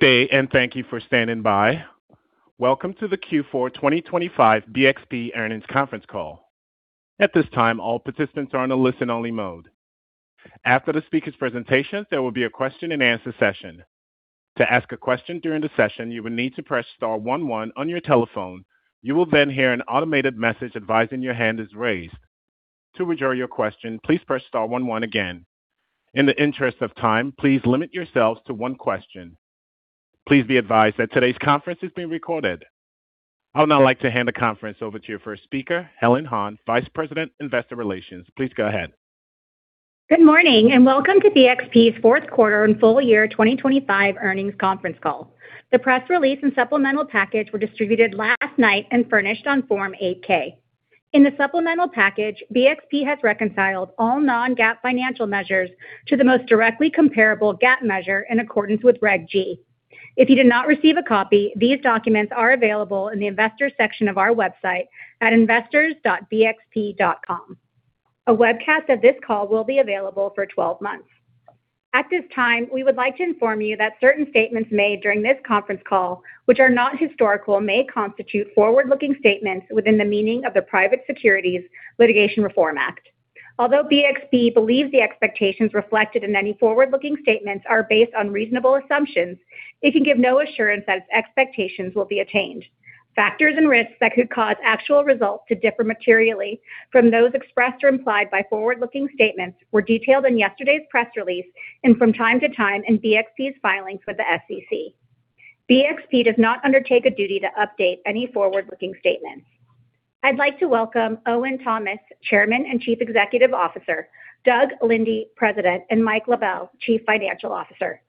Good day, and thank you for standing by. Welcome to the Q4 2025 BXP Earnings Conference Call. At this time, all participants are in a listen-only mode. After the speaker's presentation, there will be a question-and-answer session. To ask a question during the session, you will need to press star one one on your telephone. You will then hear an automated message advising your hand is raised. To withdraw your question, please press star one one again. In the interest of time, please limit yourselves to one question. Please be advised that today's conference is being recorded. I would now like to hand the conference over to your first speaker, Helen Han, Vice President, Investor Relations. Please go ahead. Good morning, and welcome to BXP's fourth quarter and full year 2025 earnings conference call. The press release and supplemental package were distributed last night and furnished on Form 8-K. In the supplemental package, BXP has reconciled all non-GAAP financial measures to the most directly comparable GAAP measure in accordance with Reg G. If you did not receive a copy, these documents are available in the Investors section of our website at investors.bxp.com. A webcast of this call will be available for 12 months. At this time, we would like to inform you that certain statements made during this conference call, which are not historical, may constitute forward-looking statements within the meaning of the Private Securities Litigation Reform Act. Although BXP believes the expectations reflected in any forward-looking statements are based on reasonable assumptions, it can give no assurance that its expectations will be attained. Factors and risks that could cause actual results to differ materially from those expressed or implied by forward-looking statements were detailed in yesterday's press release and from time to time in BXP's filings with the SEC. BXP does not undertake a duty to update any forward-looking statements. I'd like to welcome Owen Thomas, Chairman and Chief Executive Officer, Doug Linde, President, and Mike LaBelle, Chief Financial Officer.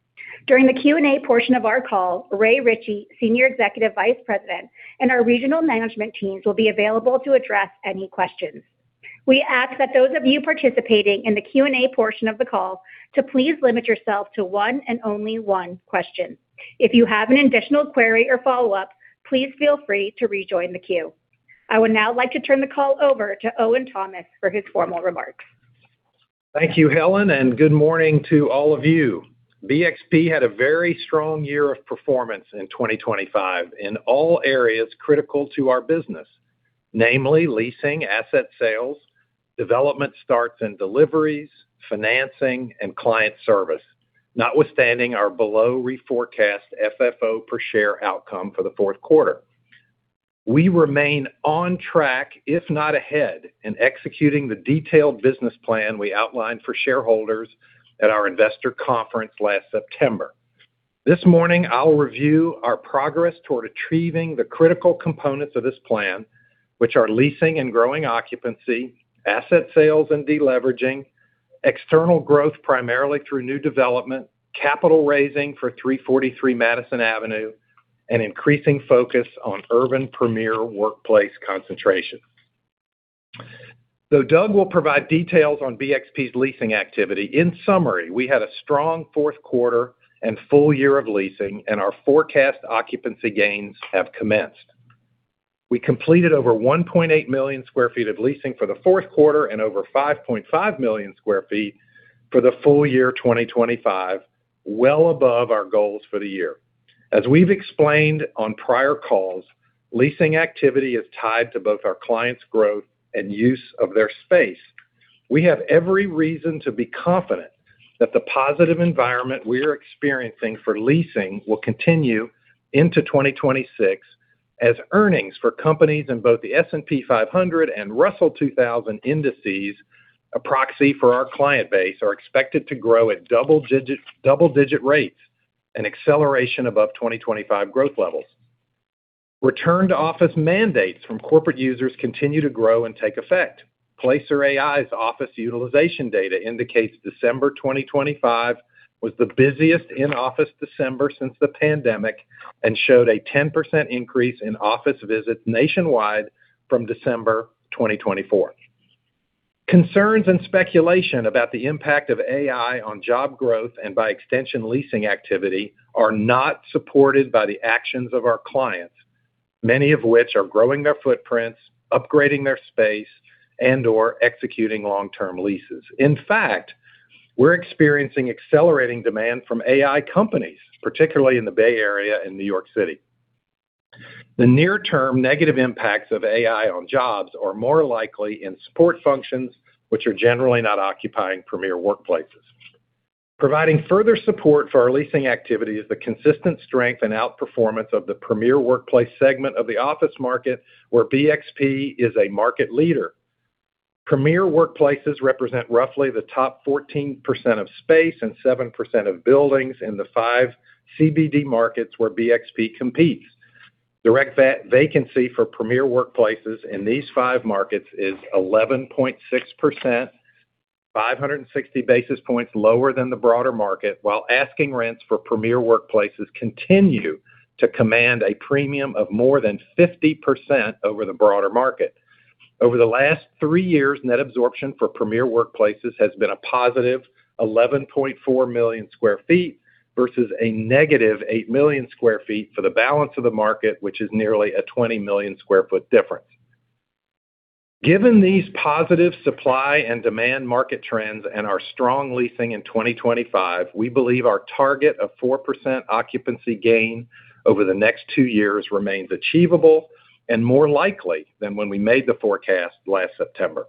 During the Q&A portion of our call, Ray Ritchey, Senior Executive Vice President, and our regional management teams will be available to address any questions. We ask that those of you participating in the Q&A portion of the call to please limit yourself to one and only one question. If you have an additional query or follow-up, please feel free to rejoin the queue. I would now like to turn the call over to Owen Thomas for his formal remarks. Thank you, Helen, and good morning to all of you. BXP had a very strong year of performance in 2025 in all areas critical to our business, namely leasing, asset sales, development starts and deliveries, financing, and client service, notwithstanding our below reforecast FFO per share outcome for the fourth quarter. We remain on track, if not ahead, in executing the detailed business plan we outlined for shareholders at our investor conference last September. This morning, I'll review our progress toward achieving the critical components of this plan, which are leasing and growing occupancy, asset sales and deleveraging, external growth primarily through new development, capital raising for 343 Madison Avenue, and increasing focus on urban premier workplace concentration. Though Doug will provide details on BXP's leasing activity, in summary, we had a strong fourth quarter and full year of leasing, and our forecast occupancy gains have commenced. We completed over 1.8 million sq ft of leasing for the fourth quarter and over 5.5 million sq ft for the full year 2025, well above our goals for the year. As we've explained on prior calls, leasing activity is tied to both our clients' growth and use of their space. We have every reason to be confident that the positive environment we are experiencing for leasing will continue into 2026, as earnings for companies in both the S&P 500 and Russell 2000 indices, a proxy for our client base, are expected to grow at double digit, double digit rates, an acceleration above 2025 growth levels. Return-to-office mandates from corporate users continue to grow and take effect. Placer.ai's office utilization data indicates December 2025 was the busiest in-office December since the pandemic and showed a 10% increase in office visits nationwide from December 2024. Concerns and speculation about the impact of AI on job growth, and by extension, leasing activity, are not supported by the actions of our clients, many of which are growing their footprints, upgrading their space, and/or executing long-term leases. In fact, we're experiencing accelerating demand from AI companies, particularly in the Bay Area and New York City. The near-term negative impacts of AI on jobs are more likely in support functions, which are generally not occupying premier workplaces. Providing further support for our leasing activity is the consistent strength and outperformance of the premier workplace segment of the office market, where BXP is a market leader. Premier workplaces represent roughly the top 14% of space and 7% of buildings in the five CBD markets where BXP competes. Direct vacancy for premier workplaces in these five markets is 11.6%, 560 basis points lower than the broader market, while asking rents for premier workplaces continue to command a premium of more than 50% over the broader market. Over the last three years, net absorption for premier workplaces has been a positive 11.4 million sq ft versus a negative 8 million sq ft for the balance of the market, which is nearly a 20 million sq ft difference.... Given these positive supply and demand market trends and our strong leasing in 2025, we believe our target of 4% occupancy gain over the next two years remains achievable and more likely than when we made the forecast last September.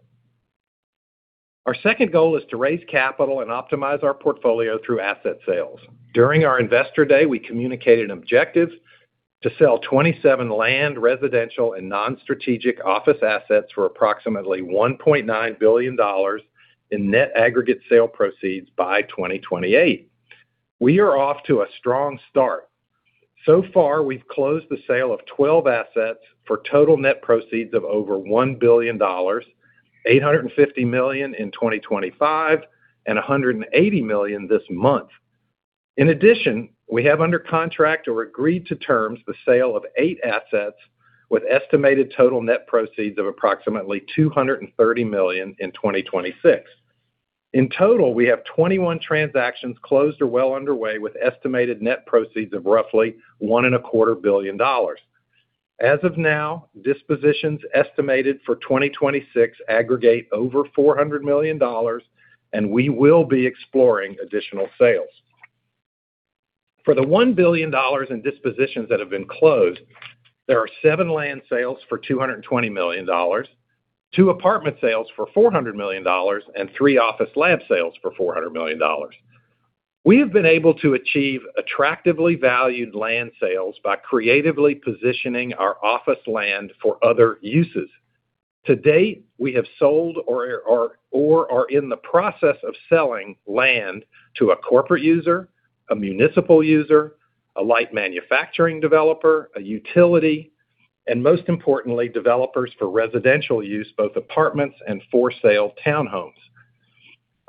Our second goal is to raise capital and optimize our portfolio through asset sales. During our Investor Day, we communicated an objective to sell 27 land, residential, and non-strategic office assets for approximately $1.9 billion in net aggregate sale proceeds by 2028. We are off to a strong start. So far, we've closed the sale of 12 assets for total net proceeds of over $1 billion, $850 million in 2025, and $180 million this month. In addition, we have under contract or agreed to terms the sale of eight assets, with estimated total net proceeds of approximately $230 million in 2026. In total, we have 21 transactions closed or well underway, with estimated net proceeds of roughly $1.25 billion. As of now, dispositions estimated for 2026 aggregate over $400 million, and we will be exploring additional sales. For the $1 billion in dispositions that have been closed, there are seven land sales for $220 million, two apartment sales for $400 million, and three office land sales for $400 million. We have been able to achieve attractively valued land sales by creatively positioning our office land for other uses. To date, we have sold or are, or are in the process of selling land to a corporate user, a municipal user, a light manufacturing developer, a utility, and most importantly, developers for residential use, both apartments and for-sale townhomes.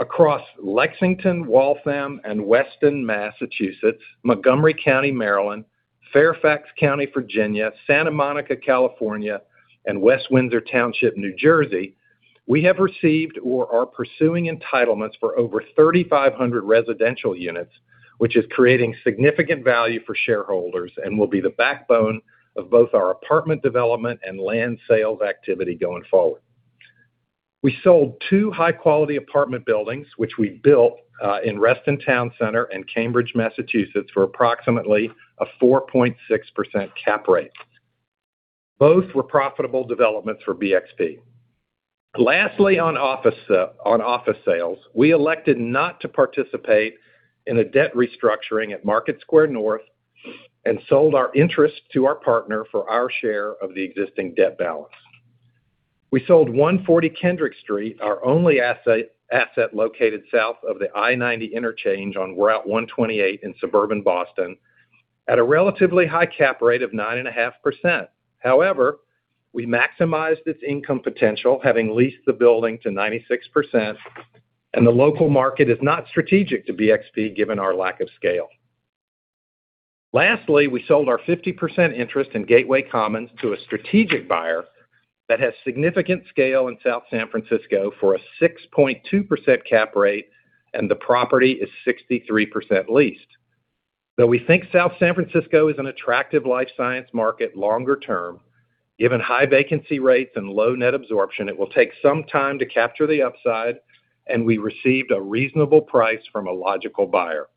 Across Lexington, Waltham, and Weston, Massachusetts, Montgomery County, Maryland, Fairfax County, Virginia, Santa Monica, California, and West Windsor Township, New Jersey, we have received or are pursuing entitlements for over 3,500 residential units, which is creating significant value for shareholders and will be the backbone of both our apartment development and land sales activity going forward. We sold two high-quality apartment buildings, which we built, in Reston Town Center in Cambridge, Massachusetts, for approximately a 4.6% cap rate. Both were profitable developments for BXP. Lastly, on office sales, we elected not to participate in a debt restructuring at Market Square North and sold our interest to our partner for our share of the existing debt balance. We sold 140 Kendrick Street, our only asset located south of the I-90 interchange on Route 128 in suburban Boston, at a relatively high cap rate of 9.5%. However, we maximized its income potential, having leased the building to 96%, and the local market is not strategic to BXP, given our lack of scale. Lastly, we sold our 50% interest in Gateway Commons to a strategic buyer that has significant scale in South San Francisco for a 6.2% cap rate, and the property is 63% leased. Though we think South San Francisco is an attractive life science market longer term, given high vacancy rates and low net absorption, it will take some time to capture the upside, and we received a reasonable price from a logical buyer.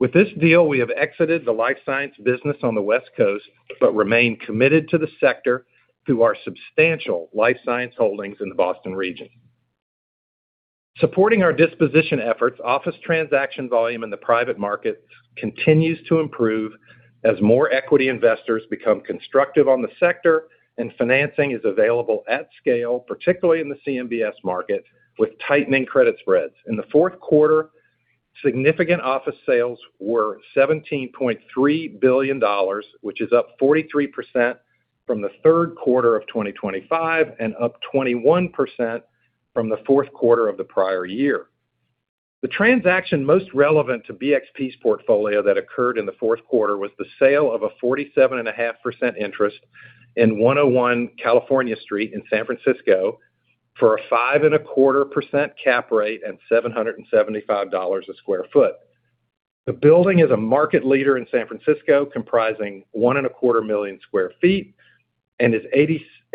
With this deal, we have exited the life science business on the West Coast, but remain committed to the sector through our substantial life science holdings in the Boston region. Supporting our disposition efforts, office transaction volume in the private market continues to improve as more equity investors become constructive on the sector, and financing is available at scale, particularly in the CMBS market, with tightening credit spreads. In the fourth quarter, significant office sales were $17.3 billion, which is up 43% from the third quarter of 2025 and up 21% from the fourth quarter of the prior year. The transaction most relevant to BXP's portfolio that occurred in the fourth quarter was the sale of a 47.5% interest in 101 California Street in San Francisco for a 5.25% cap rate and $775 a sq ft. The building is a market leader in San Francisco, comprising 1.25 million sq ft, and is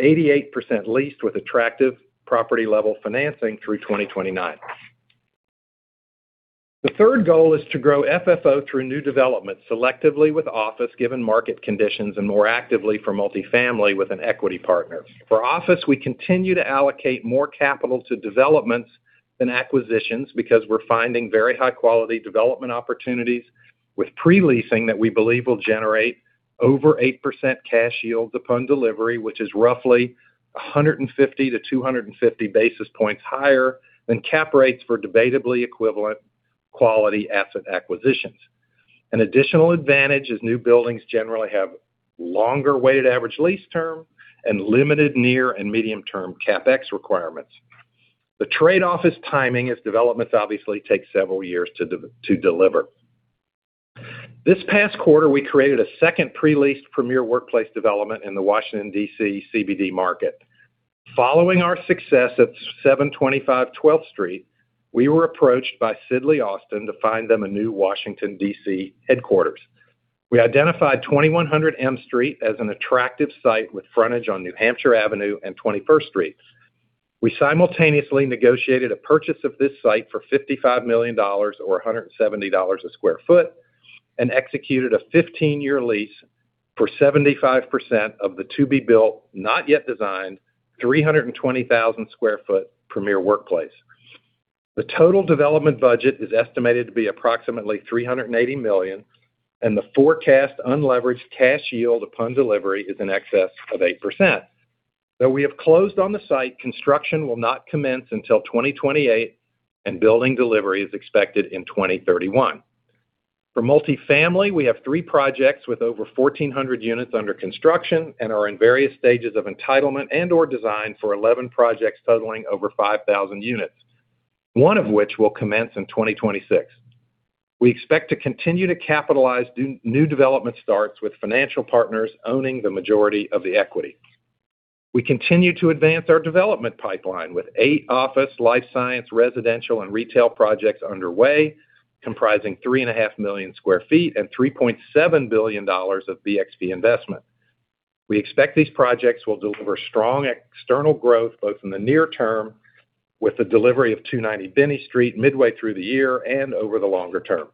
88% leased with attractive property-level financing through 2029. The third goal is to grow FFO through new development, selectively with office, given market conditions, and more actively for multifamily with an equity partner. For office, we continue to allocate more capital to developments than acquisitions because we're finding very high-quality development opportunities with pre-leasing that we believe will generate over 8% cash yields upon delivery, which is roughly 150-250 basis points higher than cap rates for debatably equivalent quality asset acquisitions. An additional advantage is new buildings generally have longer weighted average lease term and limited near and medium-term CapEx requirements. The trade-off is timing, as developments obviously take several years to deliver. This past quarter, we created a second pre-leased premier workplace development in the Washington, D.C., CBD market. Following our success at 725 12th Street, we were approached by Sidley Austin to find them a new Washington, D.C., headquarters. We identified 2100 M Street as an attractive site with frontage on New Hampshire Avenue and 21st Street. We simultaneously negotiated a purchase of this site for $55 million or $170 a sq ft, and executed a 15-year lease for 75% of the to-be-built, not yet designed, 320,000 sq ft premier workplace. The total development budget is estimated to be approximately $380 million, and the forecast unleveraged cash yield upon delivery is in excess of 8%. Though we have closed on the site, construction will not commence until 2028, and building delivery is expected in 2031. For multifamily, we have three projects with over 1,400 units under construction and are in various stages of entitlement and or design for 11 projects totaling over 5,000 units, one of which will commence in 2026. We expect to continue to capitalize new development starts with financial partners owning the majority of the equity. We continue to advance our development pipeline with eight office, life science, residential, and retail projects underway, comprising 3.5 million sq ft and $3.7 billion of BXP investment. We expect these projects will deliver strong external growth, both in the near term, with the delivery of 290 Binney Street midway through the year and over the longer term.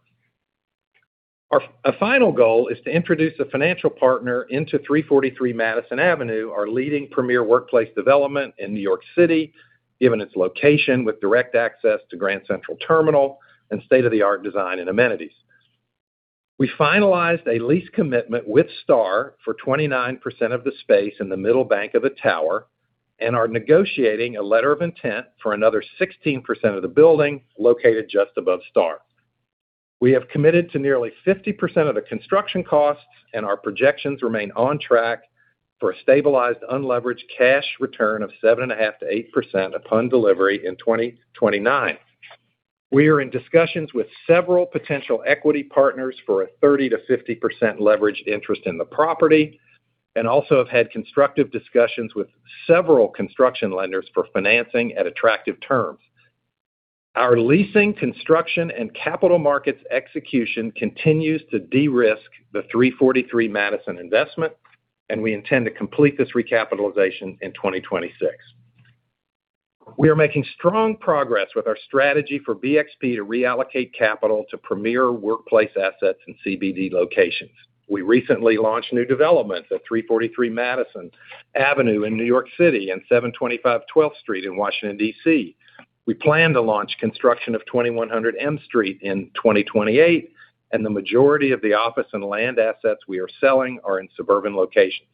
Our final goal is to introduce a financial partner into 343 Madison Avenue, our leading premier workplace development in New York City, given its location with direct access to Grand Central Terminal and state-of-the-art design and amenities. We finalized a lease commitment with Starr for 29% of the space in the middle bank of the tower and are negotiating a letter of intent for another 16% of the building located just above Starr. We have committed to nearly 50% of the construction costs, and our projections remain on track for a stabilized, unleveraged cash return of 7.5%-8% upon delivery in 2029. We are in discussions with several potential equity partners for a 30%-50% leveraged interest in the property and also have had constructive discussions with several construction lenders for financing at attractive terms. Our leasing, construction, and capital markets execution continues to de-risk the 343 Madison investment, and we intend to complete this recapitalization in 2026. We are making strong progress with our strategy for BXP to reallocate capital to premier workplace assets and CBD locations. We recently launched new developments at 343 Madison Avenue in New York City and 725 12th Street in Washington, DC. We plan to launch construction of 2100 M Street in 2028, and the majority of the office and land assets we are selling are in suburban locations.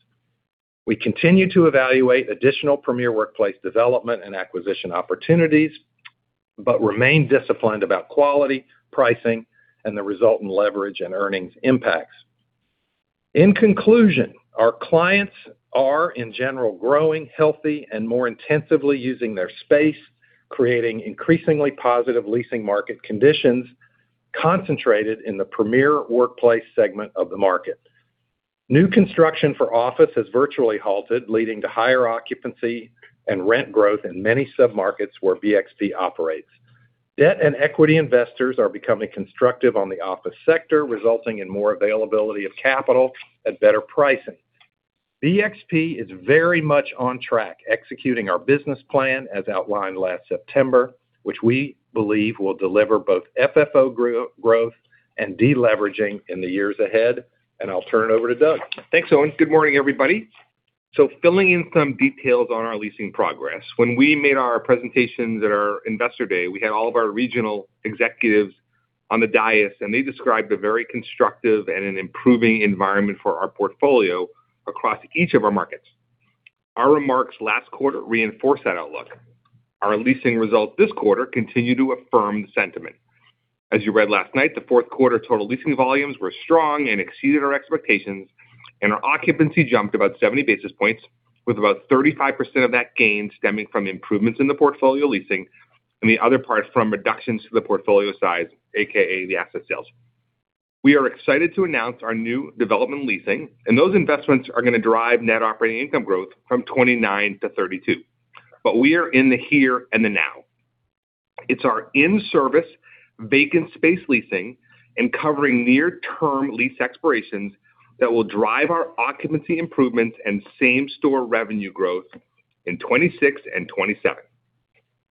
We continue to evaluate additional premier workplace development and acquisition opportunities, but remain disciplined about quality, pricing, and the resultant leverage and earnings impacts. In conclusion, our clients are, in general, growing healthy and more intensively using their space, creating increasingly positive leasing market conditions concentrated in the premier workplace segment of the market. New construction for office has virtually halted, leading to higher occupancy and rent growth in many submarkets where BXP operates. Debt and equity investors are becoming constructive on the office sector, resulting in more availability of capital and better pricing. BXP is very much on track, executing our business plan as outlined last September, which we believe will deliver both FFO growth and deleveraging in the years ahead. I'll turn it over to Doug. Thanks, Owen. Good morning, everybody. So filling in some details on our leasing progress. When we made our presentations at our Investor Day, we had all of our regional executives on the dais, and they described a very constructive and an improving environment for our portfolio across each of our markets. Our remarks last quarter reinforced that outlook. Our leasing results this quarter continue to affirm the sentiment. As you read last night, the fourth quarter total leasing volumes were strong and exceeded our expectations, and our occupancy jumped about 70 basis points, with about 35% of that gain stemming from improvements in the portfolio leasing and the other part from reductions to the portfolio size, AKA, the asset sales. We are excited to announce our new development leasing, and those investments are going to drive net operating income growth from 29 to 32. But we are in the here and the now. It's our in-service vacant space leasing and covering near-term lease expirations that will drive our occupancy improvements and same-store revenue growth in 2026 and 2027.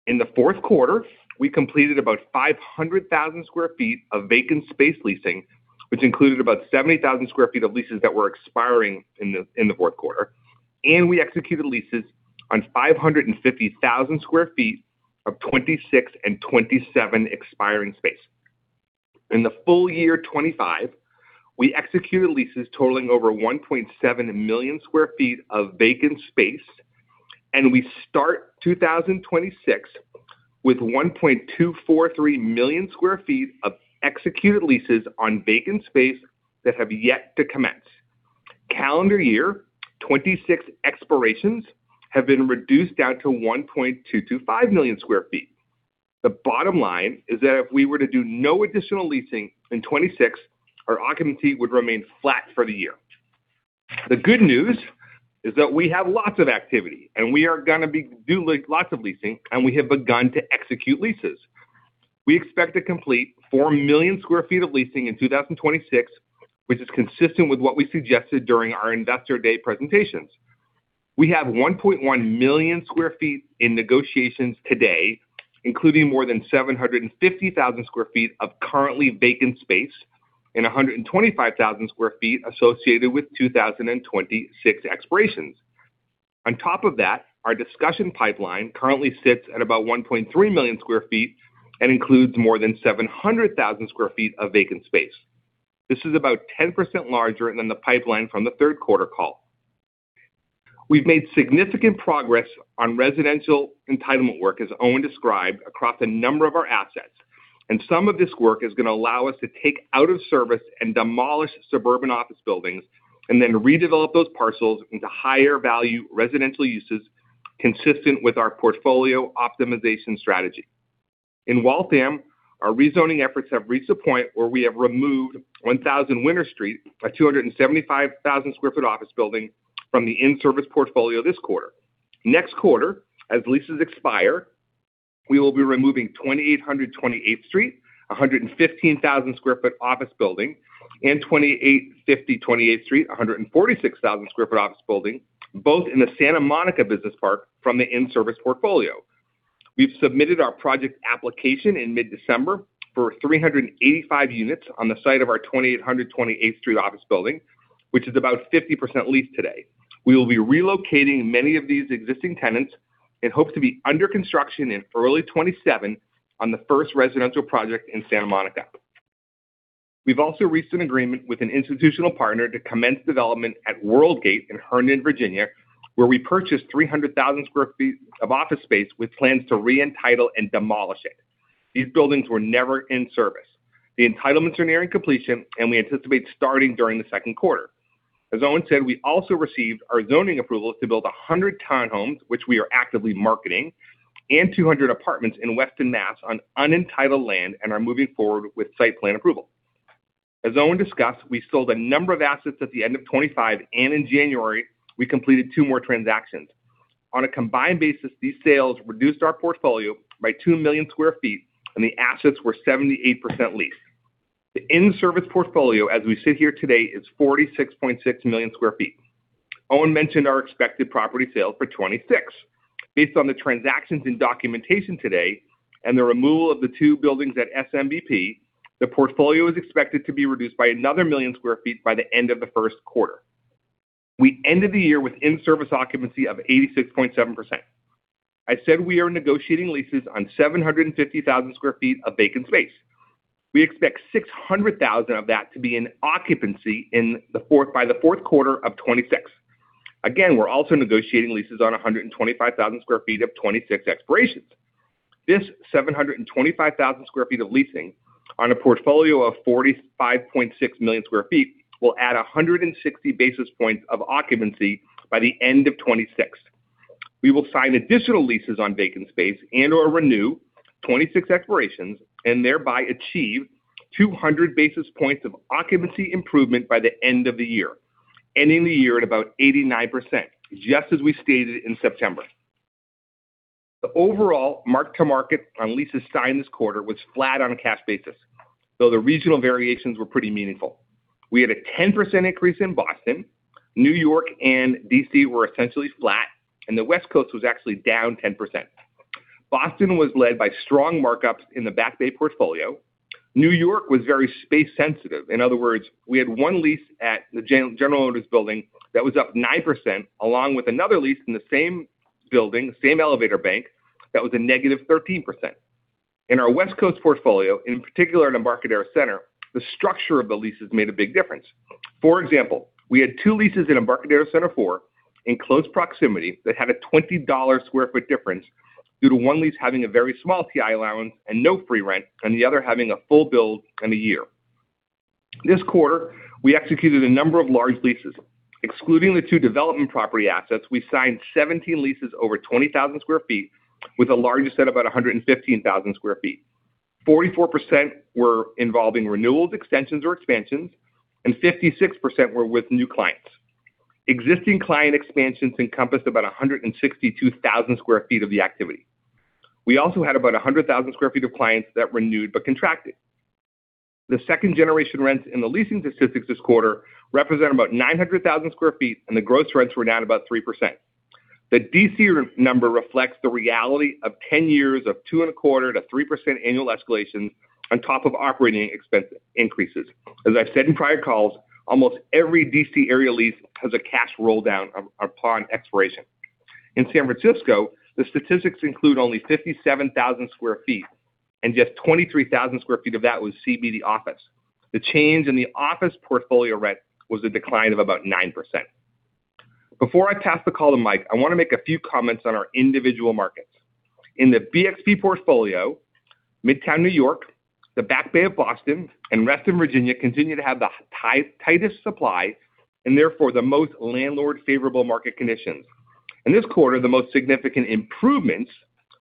In the fourth quarter, we completed about 500,000 sq ft of vacant space leasing, which included about 70,000 sq ft of leases that were expiring in the, in the fourth quarter, and we executed leases on 550,000 sq ft of 2026 and 2027 expiring space. In the full year 2025, we executed leases totaling over 1.7 million sq ft of vacant space, and we start 2026 with 1.243 million sq ft of executed leases on vacant space that have yet to commence. Calendar year 2026 expirations have been reduced down to 1.225 million sq ft. The bottom line is that if we were to do no additional leasing in 2026, our occupancy would remain flat for the year.... The good news is that we have lots of activity, and we are going to be doing lots of leasing, and we have begun to execute leases. We expect to complete 4 million sq ft of leasing in 2026, which is consistent with what we suggested during our Investor Day presentations. We have 1.1 million sq ft in negotiations today, including more than 750,000 sq ft of currently vacant space and 125,000 sq ft associated with 2026 expirations. On top of that, our discussion pipeline currently sits at about 1.3 million sq ft and includes more than 700,000 sq ft of vacant space. This is about 10% larger than the pipeline from the third quarter call. We've made significant progress on residential entitlement work, as Owen described, across a number of our assets, and some of this work is going to allow us to take out of service and demolish suburban office buildings and then redevelop those parcels into higher value residential uses, consistent with our portfolio optimization strategy. In Waltham, our rezoning efforts have reached a point where we have removed 1000 Winter Street, a 275,000 sq ft office building, from the in-service portfolio this quarter. Next quarter, as leases expire, we will be removing 2800 28th Street, a 115,000 sq ft office building, and 2850 28th Street, a 146,000 sq ft office building, both in the Santa Monica Business Park, from the in-service portfolio. We've submitted our project application in mid-December for 385 units on the site of our 2800 28th Street office building, which is about 50% leased today. We will be relocating many of these existing tenants and hope to be under construction in early 2027 on the first residential project in Santa Monica. We've also reached an agreement with an institutional partner to commence development at Worldgate in Herndon, Virginia, where we purchased 300,000 sq ft of office space with plans to re-entitle and demolish it. These buildings were never in service. The entitlements are nearing completion, and we anticipate starting during the second quarter. As Owen said, we also received our zoning approval to build 100 townhomes, which we are actively marketing, and 200 apartments in Weston, Mass, on unentitled land and are moving forward with site plan approval. As Owen discussed, we sold a number of assets at the end of 2025, and in January, we completed two more transactions. On a combined basis, these sales reduced our portfolio by 2 million sq ft, and the assets were 78% leased. The in-service portfolio, as we sit here today, is 46.6 million sq ft. Owen mentioned our expected property sales for 2026. Based on the transactions and documentation today and the removal of the two buildings at SMBP, the portfolio is expected to be reduced by another million sq ft by the end of the first quarter. We ended the year with in-service occupancy of 86.7%. I said we are negotiating leases on 750,000 sq ft of vacant space. We expect 600,000 of that to be in occupancy by the fourth quarter of 2026. Again, we're also negotiating leases on 125,000 sq ft of 2026 expirations. This 725,000 sq ft of leasing on a portfolio of 45.6 million sq ft will add 160 basis points of occupancy by the end of 2026. We will sign additional leases on vacant space and/or renew 2026 expirations and thereby achieve 200 basis points of occupancy improvement by the end of the year, ending the year at about 89%, just as we stated in September. The overall mark to market on leases signed this quarter was flat on a cash basis, though the regional variations were pretty meaningful. We had a 10% increase in Boston, New York and DC were essentially flat, and the West Coast was actually down 10%. Boston was led by strong markups in the Back Bay portfolio. New York was very space sensitive. In other words, we had one lease at the General Motors Building that was up 9%, along with another lease in the same building, same elevator bank that was a negative 13%. In our West Coast portfolio, in particular in Embarcadero Center, the structure of the leases made a big difference. For example, we had two leases in Embarcadero Center Four in close proximity that had a $20 sq ft difference, due to one lease having a very small TI allowance and no free rent, and the other having a full build in a year. This quarter, we executed a number of large leases. Excluding the two development property assets, we signed 17 leases over 20,000 sq ft, with the largest at about 115,000 sq ft. 44% were involving renewals, extensions, or expansions, and 56% were with new clients. Existing client expansions encompassed about 162,000 sq ft of the activity. We also had about 100,000 sq ft of clients that renewed but contracted. The second generation rents in the leasing statistics this quarter represent about 900,000 sq ft, and the gross rents were down about 3%. The D.C. number reflects the reality of 10 years of 2.25%-3% annual escalations on top of operating expense increases. As I've said in prior calls, almost every D.C. area lease has a cash roll-down upon expiration. In San Francisco, the statistics include only 57,000 sq ft, and just 23,000 sq ft of that was CBD office. The change in the office portfolio rent was a decline of about 9%. Before I pass the call to Mike, I want to make a few comments on our individual markets. In the BXP portfolio, Midtown, New York, the Back Bay of Boston, and Reston, Virginia, continue to have the tightest supply and therefore the most landlord-favorable market conditions. In this quarter, the most significant improvements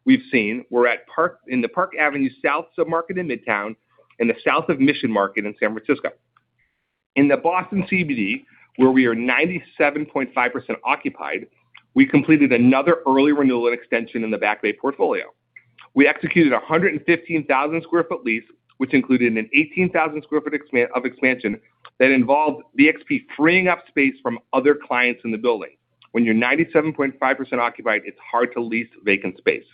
we've seen were at Park, in the Park Avenue South submarket in Midtown, and the South of Mission Market in San Francisco. In the Boston CBD, where we are 97.5% occupied, we completed another early renewal and extension in the Back Bay portfolio. We executed a 115,000 sq ft lease, which included an 18,000 sq ft expansion that involved BXP freeing up space from other clients in the building. When you're 97.5% occupied, it's hard to lease vacant space.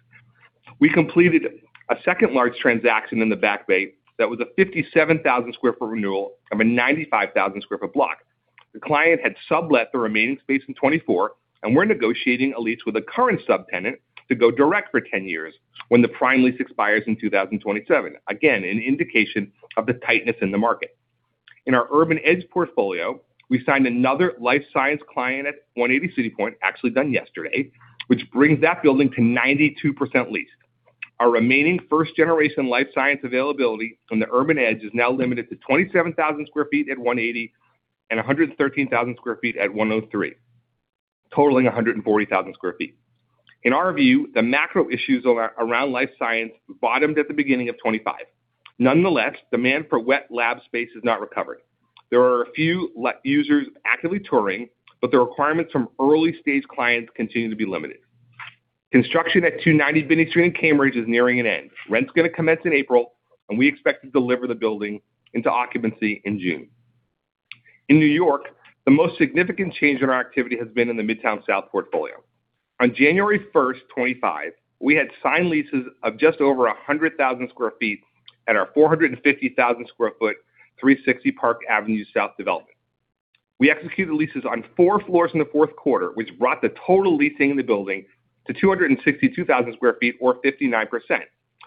We completed a second large transaction in the Back Bay that was a 57,000 sq ft renewal of a 95,000 sq ft block. The client had sublet the remaining space in 2024, and we're negotiating a lease with a current subtenant to go direct for 10 years when the prime lease expires in 2027. Again, an indication of the tightness in the market. In our Urban Edge portfolio, we signed another life science client at 180 CityPoint, actually done yesterday, which brings that building to 92% leased. Our remaining first-generation life science availability from the Urban Edge is now limited to 27,000 sq ft at 180 and 113,000 sq ft at 103, totaling 140,000 sq ft. In our view, the macro issues around life science bottomed at the beginning of 2025. Nonetheless, demand for wet lab space has not recovered. There are a few users actively touring, but the requirements from early-stage clients continue to be limited. Construction at 290 Binney Street in Cambridge is nearing an end. Rent's going to commence in April, and we expect to deliver the building into occupancy in June. In New York, the most significant change in our activity has been in the Midtown South portfolio. On January 1, 2025, we had signed leases of just over 100,000 sq ft at our 450,000 sq ft, 360 Park Avenue South development. We executed leases on four floors in the fourth quarter, which brought the total leasing in the building to 262,000 sq ft, or 59%.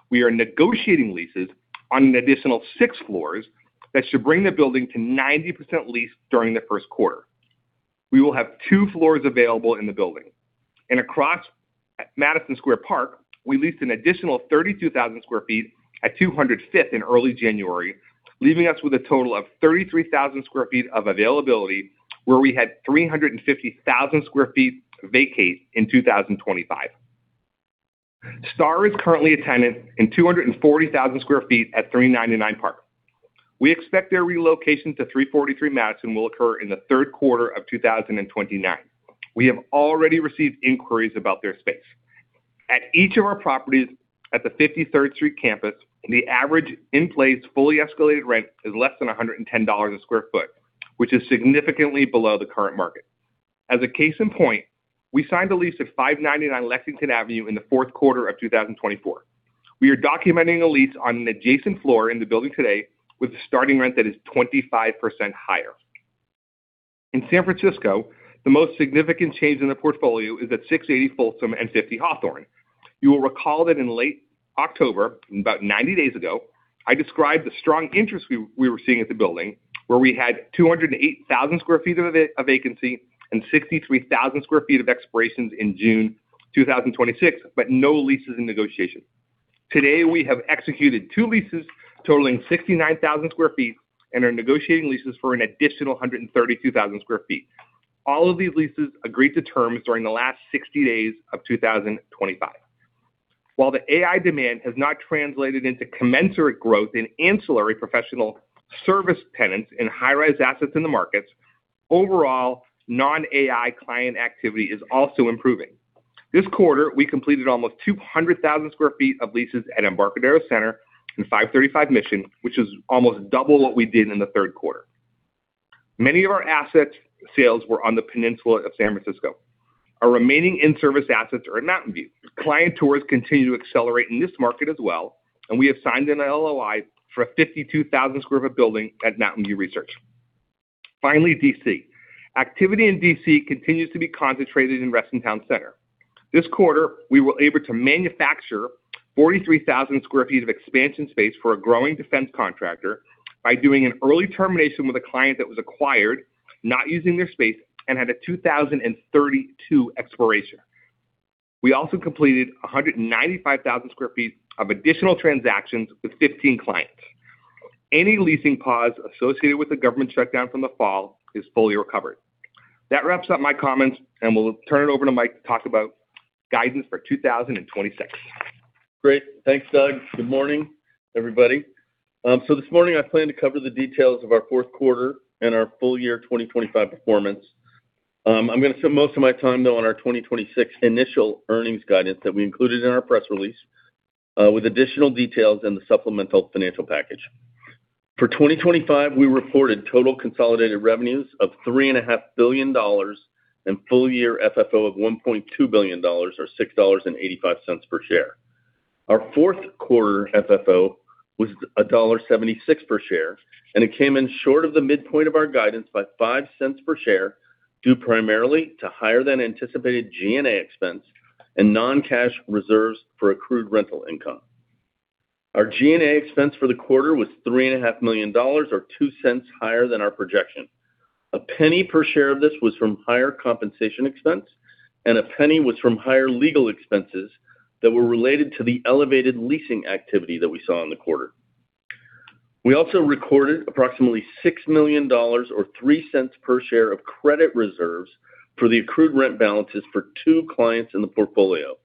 We are negotiating leases on an additional six floors that should bring the building to 90% leased during the first quarter. We will have two floors available in the building. Across Madison Square Park, we leased an additional 32,000 sq ft at 200 Fifth Avenue in early January, leaving us with a total of 33,000 sq ft of availability, where we had 350,000 sq ft vacate in 2025. Starr is currently a tenant in 240,000 sq ft at 399 Park Avenue. We expect their relocation to 343 Madison Avenue will occur in the third quarter of 2029. We have already received inquiries about their space. At each of our properties at the 53rd Street campus, the average in place, fully escalated rent is less than $110 a sq ft, which is significantly below the current market. As a case in point, we signed a lease at 599 Lexington Avenue in the fourth quarter of 2024. We are documenting a lease on an adjacent floor in the building today with a starting rent that is 25% higher. In San Francisco, the most significant change in the portfolio is at 680 Folsom Street and 50 Hawthorne Street. You will recall that in late October, about 90 days ago, I described the strong interest we were seeing at the building, where we had 208,000 sq ft of vacancy and 63,000 sq ft of expirations in June 2026, but no leases in negotiation. Today, we have executed two leases totaling 69,000 sq ft and are negotiating leases for an additional 132,000 sq ft. All of these leases agreed to terms during the last 60 days of 2025. While the AI demand has not translated into commensurate growth in ancillary professional service tenants in high-rise assets in the markets, overall, non-AI client activity is also improving. This quarter, we completed almost 200,000 sq ft of leases at Embarcadero Center and 535 Mission, which is almost double what we did in the third quarter. Many of our asset sales were on the peninsula of San Francisco. Our remaining in-service assets are in Mountain View. Client tours continue to accelerate in this market as well, and we have signed an LOI for a 52,000 sq ft building at Mountain View Research. Finally, D.C. Activity in D.C. continues to be concentrated in Reston Town Center. This quarter, we were able to manufacture 43,000 sq ft of expansion space for a growing defense contractor by doing an early termination with a client that was acquired, not using their space, and had a 2032 expiration. We also completed 195,000 sq ft of additional transactions with 15 clients. Any leasing pause associated with the government shutdown from the fall is fully recovered. That wraps up my comments, and we'll turn it over to Mike to talk about guidance for 2026. Great. Thanks, Doug. Good morning, everybody. So this morning I plan to cover the details of our fourth quarter and our full year 2025 performance. I'm going to spend most of my time, though, on our 2026 initial earnings guidance that we included in our press release, with additional details in the supplemental financial package. For 2025, we reported total consolidated revenues of $3.5 billion and full year FFO of $1.2 billion, or $6.85 per share. Our fourth quarter FFO was $1.76 per share, and it came in short of the midpoint of our guidance by $0.05 per share, due primarily to higher than anticipated G&A expense and non-cash reserves for accrued rental income. Our G&A expense for the quarter was $3.5 million, or $0.02 higher than our projection. $0.01 per share of this was from higher compensation expense, and $0.01 was from higher legal expenses that were related to the elevated leasing activity that we saw in the quarter. We also recorded approximately $6 million or $0.03 per share of credit reserves for the accrued rent balances for two clients in the portfolio.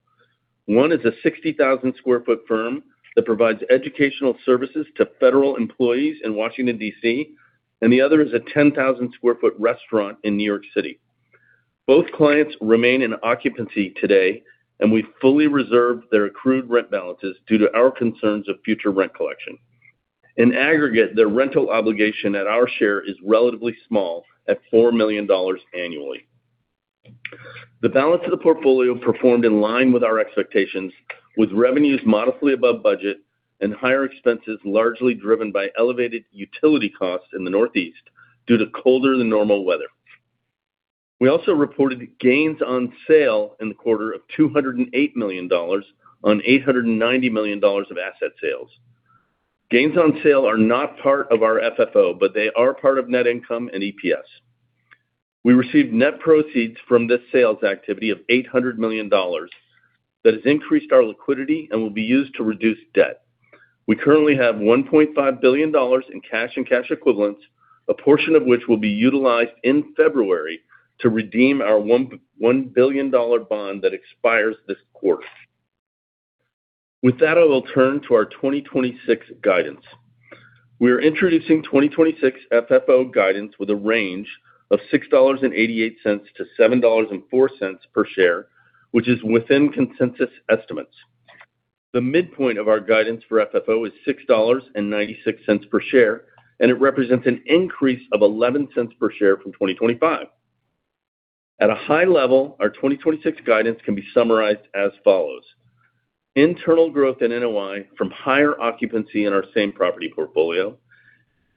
One is a 60,000 sq ft firm that provides educational services to federal employees in Washington, D.C., and the other is a 10,000 sq ft restaurant in New York City. Both clients remain in occupancy today, and we've fully reserved their accrued rent balances due to our concerns of future rent collection. In aggregate, their rental obligation at our share is relatively small, at $4 million annually. The balance of the portfolio performed in line with our expectations, with revenues modestly above budget and higher expenses, largely driven by elevated utility costs in the Northeast due to colder than normal weather. We also reported gains on sale in the quarter of $208 million on $890 million of asset sales. Gains on sale are not part of our FFO, but they are part of net income and EPS. We received net proceeds from this sales activity of $800 million. That has increased our liquidity and will be used to reduce debt. We currently have $1.5 billion in cash and cash equivalents, a portion of which will be utilized in February to redeem our $1.1 billion bond that expires this quarter. With that, I will turn to our 2026 guidance. We are introducing 2026 FFO guidance with a range of $6.88-$7.04 per share, which is within consensus estimates. The midpoint of our guidance for FFO is $6.96 per share, and it represents an increase of $0.11 per share from 2025. At a high level, our 2026 guidance can be summarized as follows: internal growth in NOI from higher occupancy in our same property portfolio,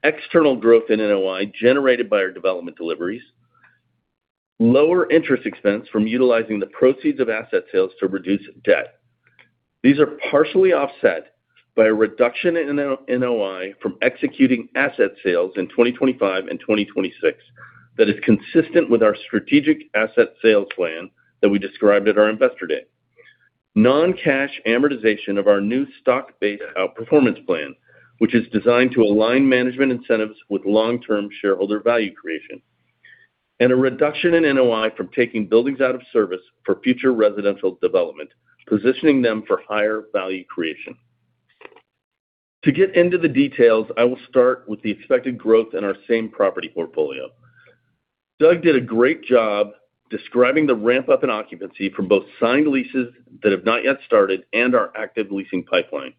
external growth in NOI generated by our development deliveries, lower interest expense from utilizing the proceeds of asset sales to reduce debt. These are partially offset by a reduction in NOI from executing asset sales in 2025 and 2026. That is consistent with our strategic asset sales plan that we described at our Investor Day. Non-cash amortization of our new stock-based outperformance plan, which is designed to align management incentives with long-term shareholder value creation, and a reduction in NOI from taking buildings out of service for future residential development, positioning them for higher value creation. To get into the details, I will start with the expected growth in our same property portfolio. Doug did a great job describing the ramp-up in occupancy from both signed leases that have not yet started and our active leasing pipeline.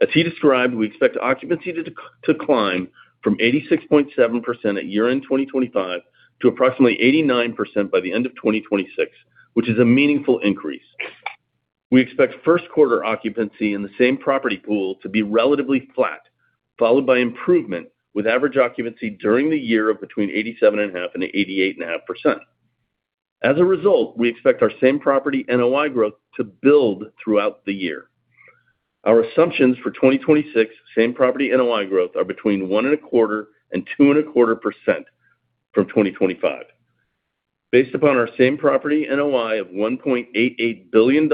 As he described, we expect occupancy to climb from 86.7% at year-end 2025 to approximately 89% by the end of 2026, which is a meaningful increase. We expect first quarter occupancy in the same property pool to be relatively flat, followed by improvement with average occupancy during the year of between 87.5% and 88.5%. As a result, we expect our same property NOI growth to build throughout the year. Our assumptions for 2026 same property NOI growth are between 1.25% and 2.25% from 2025. Based upon our same property NOI of $1.88 billion,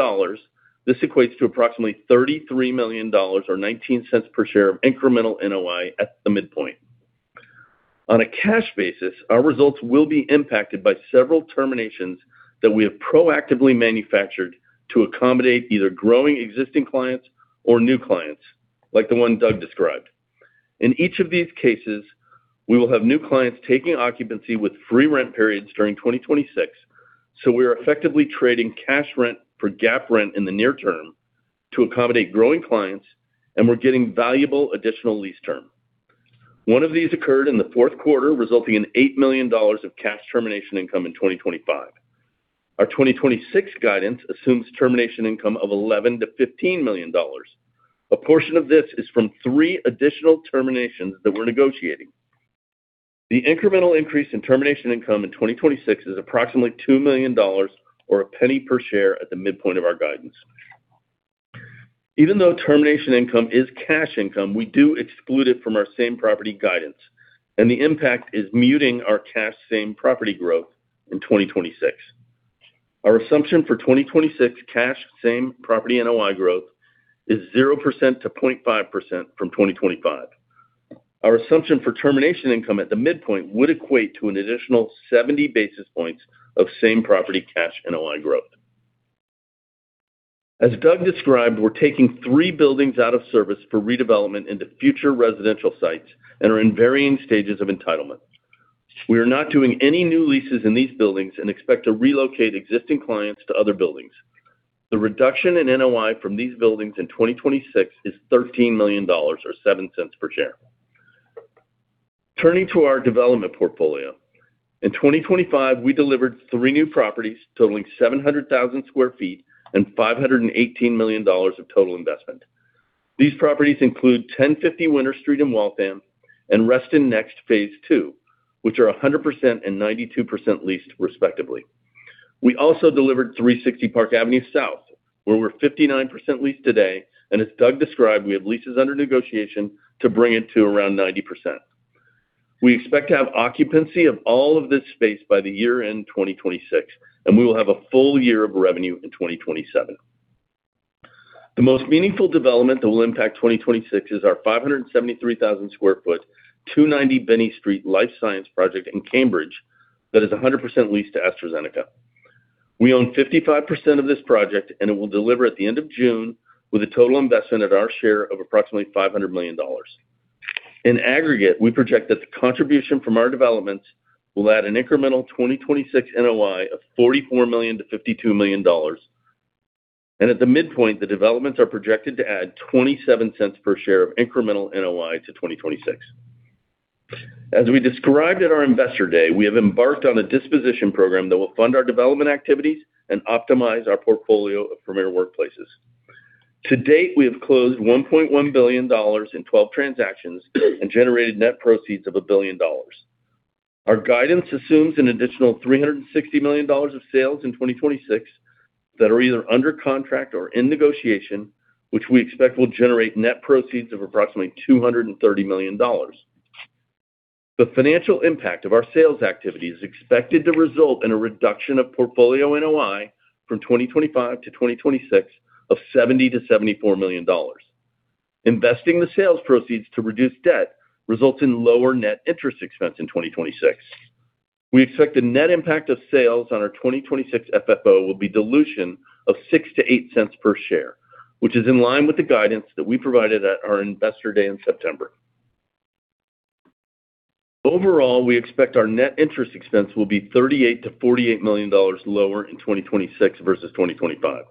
this equates to approximately $33 million, or $0.19 per share, of incremental NOI at the midpoint. On a cash basis, our results will be impacted by several terminations that we have proactively manufactured to accommodate either growing existing clients or new clients, like the one Doug described. In each of these cases, we will have new clients taking occupancy with free rent periods during 2026, so we are effectively trading cash rent for GAAP rent in the near term to accommodate growing clients, and we're getting valuable additional lease term. One of these occurred in the fourth quarter, resulting in $8 million of cash termination income in 2025. Our 2026 guidance assumes termination income of $11 million-$15 million. A portion of this is from three additional terminations that we're negotiating. The incremental increase in termination income in 2026 is approximately $2 million, or $0.01 per share, at the midpoint of our guidance. Even though termination income is cash income, we do exclude it from our same property guidance, and the impact is muting our cash same property growth in 2026. Our assumption for 2026 cash same property NOI growth is 0%-0.5% from 2025. Our assumption for termination income at the midpoint would equate to an additional 70 basis points of same property cash NOI growth. As Doug described, we're taking three buildings out of service for redevelopment into future residential sites and are in varying stages of entitlement. We are not doing any new leases in these buildings and expect to relocate existing clients to other buildings. The reduction in NOI from these buildings in 2026 is $13 million, or $0.07 per share. Turning to our development portfolio. In 2025, we delivered three new properties totaling 700,000 sq ft and $518 million of total investment. These properties include 1050 Winter Street in Waltham and Reston Next, phase two, which are 100% and 92% leased, respectively. We also delivered 360 Park Avenue South, where we're 59% leased today, and as Doug described, we have leases under negotiation to bring it to around 90%. We expect to have occupancy of all of this space by year-end 2026, and we will have a full year of revenue in 2027. The most meaningful development that will impact 2026 is our 573,000 sq ft 290 Binney Street life science project in Cambridge, that is 100% leased to AstraZeneca. We own 55% of this project, and it will deliver at the end of June, with a total investment at our share of approximately $500 million. In aggregate, we project that the contribution from our developments will add an incremental 2026 NOI of $44 million-$52 million. At the midpoint, the developments are projected to add $0.27 per share of incremental NOI to 2026. As we described at our Investor Day, we have embarked on a disposition program that will fund our development activities and optimize our portfolio of premier workplaces. To date, we have closed $1.1 billion in 12 transactions and generated net proceeds of $1 billion. Our guidance assumes an additional $360 million of sales in 2026, that are either under contract or in negotiation, which we expect will generate net proceeds of approximately $230 million. The financial impact of our sales activity is expected to result in a reduction of portfolio NOI from 2025 to 2026 of $70 million-$74 million. Investing the sales proceeds to reduce debt results in lower net interest expense in 2026. We expect the net impact of sales on our 2026 FFO will be dilution of $0.06-$0.08 per share, which is in line with the guidance that we provided at our Investor Day in September. Overall, we expect our net interest expense will be $38 million-$48 million lower in 2026 versus 2025.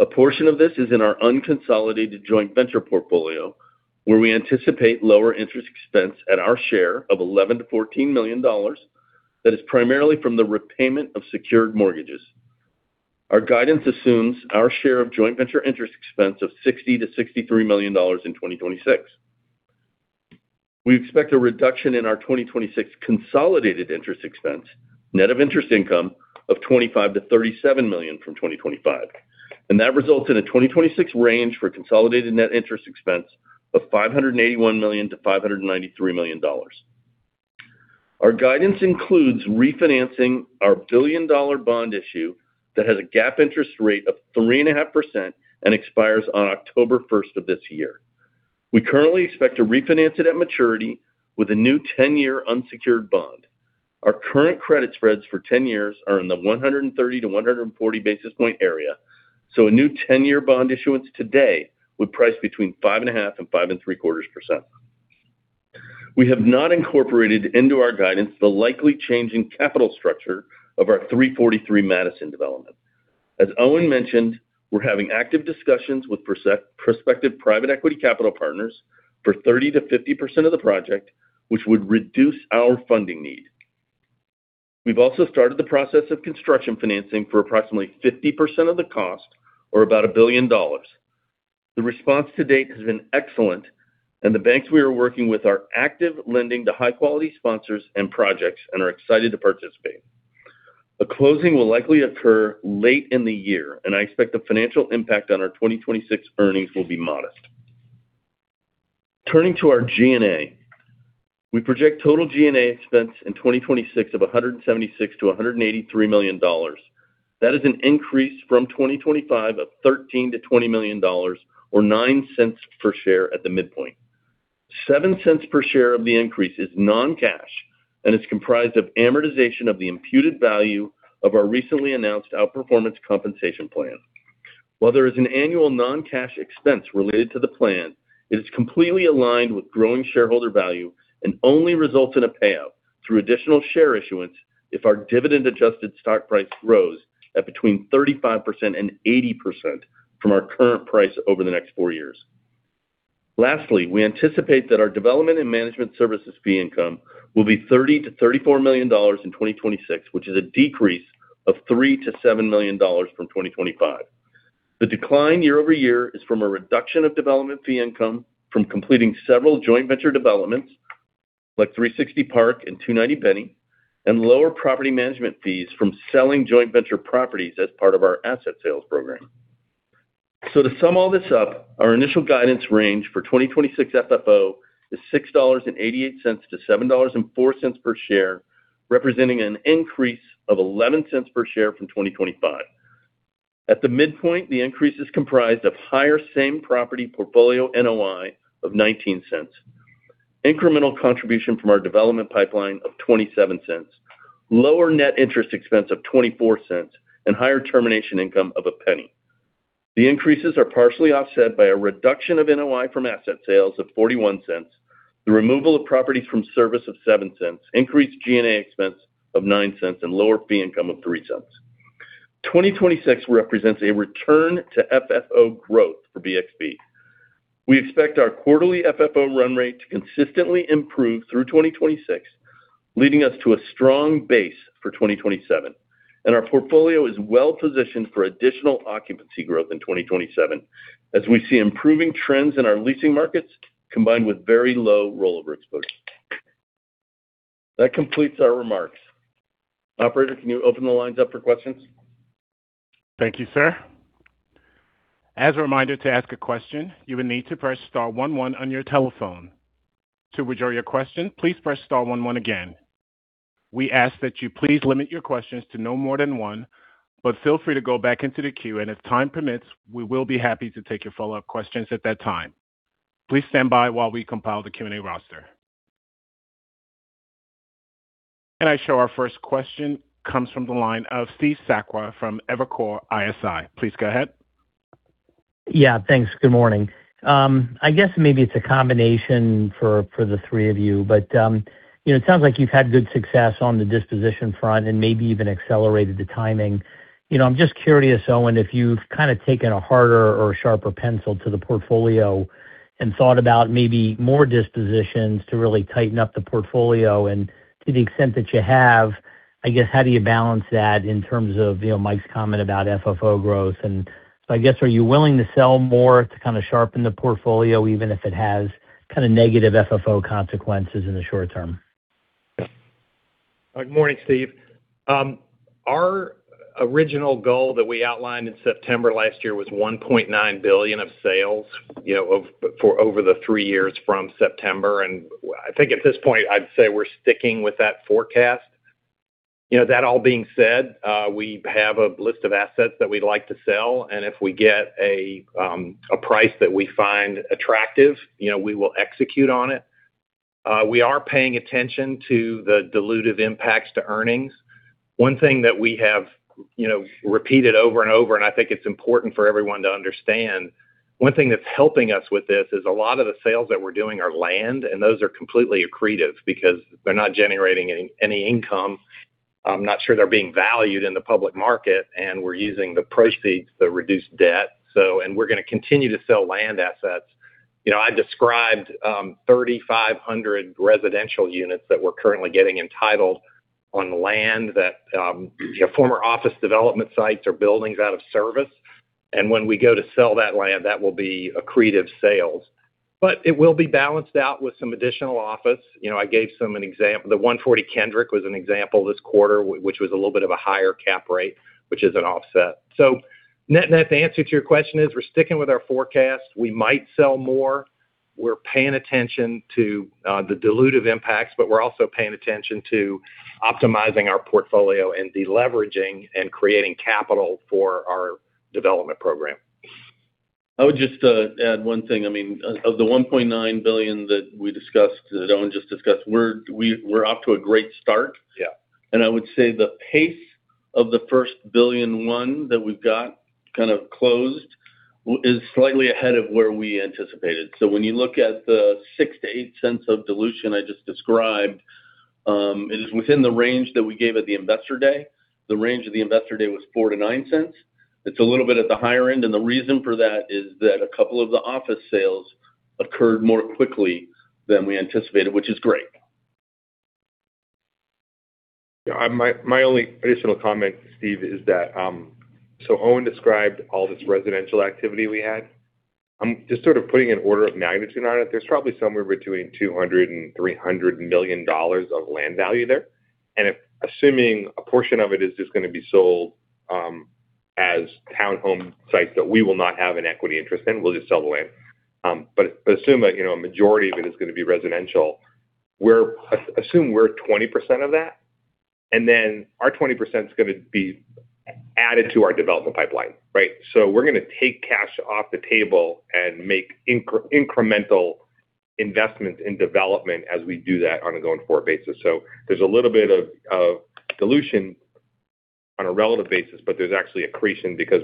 A portion of this is in our unconsolidated joint venture portfolio, where we anticipate lower interest expense at our share of $11 million-$14 million, that is primarily from the repayment of secured mortgages. Our guidance assumes our share of joint venture interest expense of $60 million-$63 million in 2026. We expect a reduction in our 2026 consolidated interest expense, net of interest income, of $25 million-$37 million from 2025, and that results in a 2026 range for consolidated net interest expense of $581 million-$593 million. Our guidance includes refinancing our billion-dollar bond issue that has a GAAP interest rate of 3.5% and expires on October first of this year. We currently expect to refinance it at maturity with a new 10-year unsecured bond. Our current credit spreads for 10 years are in the 130-140 basis point area, so a new 10-year bond issuance today would price between 5.5% and 5.75%. We have not incorporated into our guidance the likely changing capital structure of our 343 Madison Avenue development. As Owen mentioned, we're having active discussions with prospective private equity capital partners for 30%-50% of the project, which would reduce our funding need. We've also started the process of construction financing for approximately 50% of the cost, or about $1 billion. The response to date has been excellent, and the banks we are working with are active lending to high-quality sponsors and projects and are excited to participate. A closing will likely occur late in the year, and I expect the financial impact on our 2026 earnings will be modest. Turning to our G&A. We project total G&A expense in 2026 of $176 million-$183 million. That is an increase from 2025 of $13 million-$20 million, or $0.09 per share at the midpoint. $0.07 per share of the increase is non-cash, and it's comprised of amortization of the imputed value of our recently announced outperformance compensation plan. While there is an annual non-cash expense related to the plan, it is completely aligned with growing shareholder value and only results in a payout through additional share issuance if our dividend-adjusted stock price grows at between 35%-80% from our current price over the next four years. Lastly, we anticipate that our development and management services fee income will be $30 million-$34 million in 2026, which is a decrease of $3 million-$7 million from 2025. The decline year-over-year is from a reduction of development fee income from completing several joint venture developments, like 360 Park and 290 Binney, and lower property management fees from selling joint venture properties as part of our asset sales program. So to sum all this up, our initial guidance range for 2026 FFO is $6.88-$7.04 per share, representing an increase of $0.11 per share from 2025. At the midpoint, the increase is comprised of higher same property portfolio NOI of $0.19, incremental contribution from our development pipeline of $0.27, lower net interest expense of $0.24, and higher termination income of $0.01. The increases are partially offset by a reduction of NOI from asset sales of $0.41, the removal of properties from service of $0.07, increased G&A expense of $0.09, and lower fee income of $0.03. 2026 represents a return to FFO growth for BXP. We expect our quarterly FFO run rate to consistently improve through 2026, leading us to a strong base for 2027, and our portfolio is well positioned for additional occupancy growth in 2027, as we see improving trends in our leasing markets, combined with very low rollover exposure. That completes our remarks. Operator, can you open the lines up for questions? Thank you, sir. As a reminder, to ask a question, you will need to press star one one on your telephone. To withdraw your question, please press star one one again. We ask that you please limit your questions to no more than one, but feel free to go back into the queue, and if time permits, we will be happy to take your follow-up questions at that time. Please stand by while we compile the Q&A roster. And I show our first question comes from the line of Steve Sakwa from Evercore ISI. Please go ahead. Yeah, thanks. Good morning. I guess maybe it's a combination for the three of you, but, you know, it sounds like you've had good success on the disposition front and maybe even accelerated the timing. You know, I'm just curious, Owen, if you've kind of taken a harder or sharper pencil to the portfolio and thought about maybe more dispositions to really tighten up the portfolio. And to the extent that you have, I guess, how do you balance that in terms of, you know, Mike's comment about FFO growth? And so I guess, are you willing to sell more to kind of sharpen the portfolio, even if it has kind of negative FFO consequences in the short term? Good morning, Steve. Our original goal that we outlined in September last year was $1.9 billion of sales, you know, of—for over the three years from September, and I think at this point, I'd say we're sticking with that forecast. You know, that all being said, we have a list of assets that we'd like to sell, and if we get a price that we find attractive, you know, we will execute on it. We are paying attention to the dilutive impacts to earnings. One thing that we have, you know, repeated over and over, and I think it's important for everyone to understand, one thing that's helping us with this is a lot of the sales that we're doing are land, and those are completely accretive because they're not generating any income. I'm not sure they're being valued in the public market, and we're using the proceeds to reduce debt. So, we're gonna continue to sell land assets. You know, I described 3,500 residential units that we're currently getting entitled on land that, you know, former office development sites or buildings out of service, and when we go to sell that land, that will be accretive sales. But it will be balanced out with some additional office. You know, I gave some an exam—the 140 Kendrick was an example this quarter, which was a little bit of a higher cap rate, which is an offset. So net, net, the answer to your question is we're sticking with our forecast. We might sell more. We're paying attention to the dilutive impacts, but we're also paying attention to optimizing our portfolio and deleveraging and creating capital for our development program. I would just add one thing. I mean, of the $1.9 billion that we discussed, that Owen just discussed, we're off to a great start. Yeah. I would say the pace of the first $1 billion, one that we've got kind of closed, is slightly ahead of where we anticipated. So when you look at the $0.06-$0.08 of dilution I just described, it is within the range that we gave at the Investor Day. The range of the Investor Day was $0.04-$0.09. It's a little bit at the higher end, and the reason for that is that a couple of the office sales occurred more quickly than we anticipated, which is great. Yeah, my, my only additional comment, Steve, is that, so Owen described all this residential activity we had. I'm just sort of putting an order of magnitude on it. There's probably somewhere between $200 million and $300 million of land value there, and if assuming a portion of it is just gonna be sold, as town home sites, that we will not have an equity interest in, we'll just sell the land. But assume that, you know, a majority of it is gonna be residential, we're—assume we're 20% of that, and then our 20% is gonna be added to our development pipeline, right? So we're gonna take cash off the table and make incremental investments in development as we do that on a going-forward basis. So there's a little bit of dilution on a relative basis, but there's actually accretion because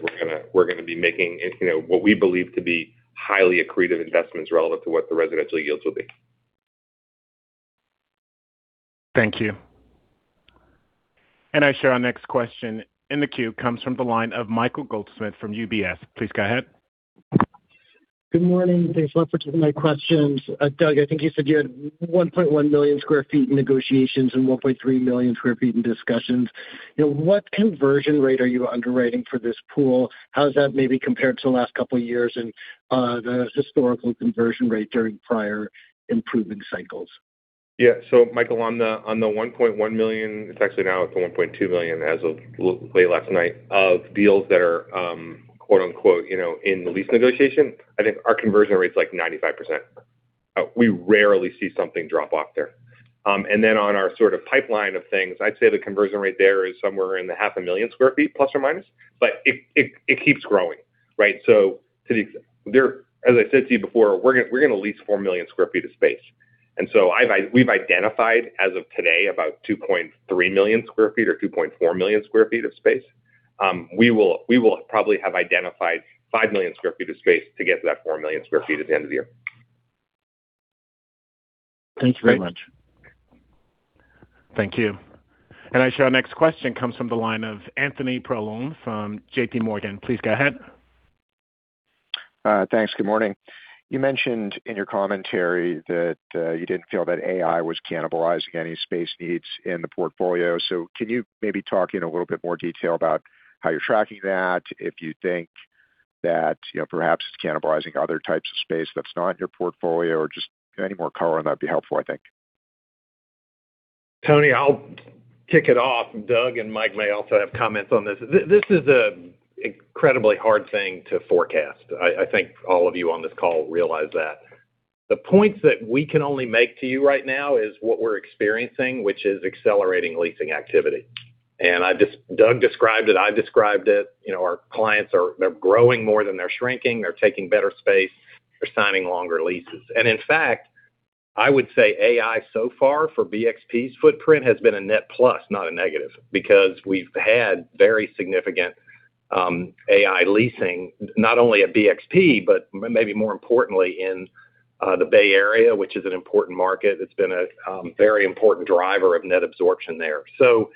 we're gonna be making, you know, what we believe to be highly accretive investments relevant to what the residential yields will be. Thank you. I show our next question in the queue comes from the line of Michael Goldsmith from UBS. Please go ahead. Good morning. Thanks a lot for taking my questions. Doug, I think you said you had 1.1 million sq ft in negotiations and 1.3 million sq ft in discussions. You know, what conversion rate are you underwriting for this pool? How does that maybe compare to the last couple of years and the historical conversion rate during prior improvement cycles? Yeah. So Michael, on the, on the 1.1 million, it's actually now up to 1.2 million as of late last night, of deals that are, quote, unquote, you know, "in the lease negotiation," I think our conversion rate is, like, 95%. We rarely see something drop off there. And then on our sort of pipeline of things, I'd say the conversion rate there is somewhere in the ±500,000 sq ft, but it keeps growing, right? So, as I said to you before, we're gonna lease 4 million sq ft of space. And so we've identified, as of today, about 2.3 million sq ft or 2.4 million sq ft of space. We will probably have identified 5 million sq ft of space to get to that 4 million sq ft at the end of the year. Thanks very much. Thank you. And I show our next question comes from the line of Anthony Paolone from JPMorgan. Please go ahead. Thanks. Good morning. You mentioned in your commentary that you didn't feel that AI was cannibalizing any space needs in the portfolio. So can you maybe talk in a little bit more detail about how you're tracking that, if you think that, you know, perhaps it's cannibalizing other types of space that's not in your portfolio, or just any more color on that would be helpful, I think?... Tony, I'll kick it off. Doug and Mike may also have comments on this. This is an incredibly hard thing to forecast. I think all of you on this call realize that. The points that we can only make to you right now is what we're experiencing, which is accelerating leasing activity. And I've just, Doug described it, I've described it. You know, our clients are, they're growing more than they're shrinking. They're taking better space. They're signing longer leases. And in fact, I would say AI so far for BXP's footprint has been a net plus, not a negative, because we've had very significant AI leasing, not only at BXP, but maybe more importantly, in the Bay Area, which is an important market. It's been a very important driver of net absorption there. So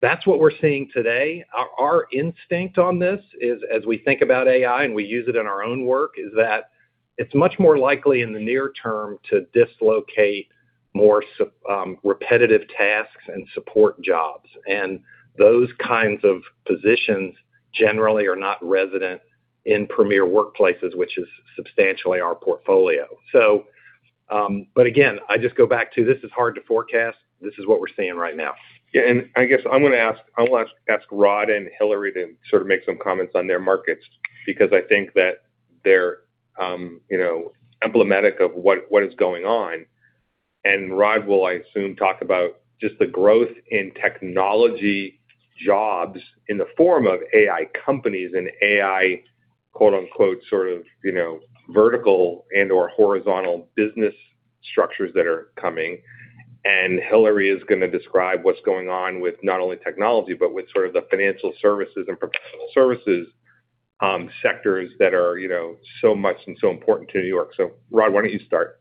that's what we're seeing today. Our instinct on this is, as we think about AI, and we use it in our own work, is that it's much more likely in the near term to dislocate more repetitive tasks and support jobs. And those kinds of positions generally are not resident in premier workplaces, which is substantially our portfolio. So, but again, I just go back to, this is hard to forecast. This is what we're seeing right now. Yeah, and I guess I'm gonna ask Rod and Hilary to sort of make some comments on their markets, because I think that they're, you know, emblematic of what is going on. And Rod will, I assume, talk about just the growth in technology jobs in the form of AI companies and AI, quote, unquote, sort of, you know, vertical and/or horizontal business structures that are coming. And Hilary is gonna describe what's going on with not only technology, but with sort of the financial services and professional services sectors that are, you know, so much and so important to New York. So Rod, why don't you start?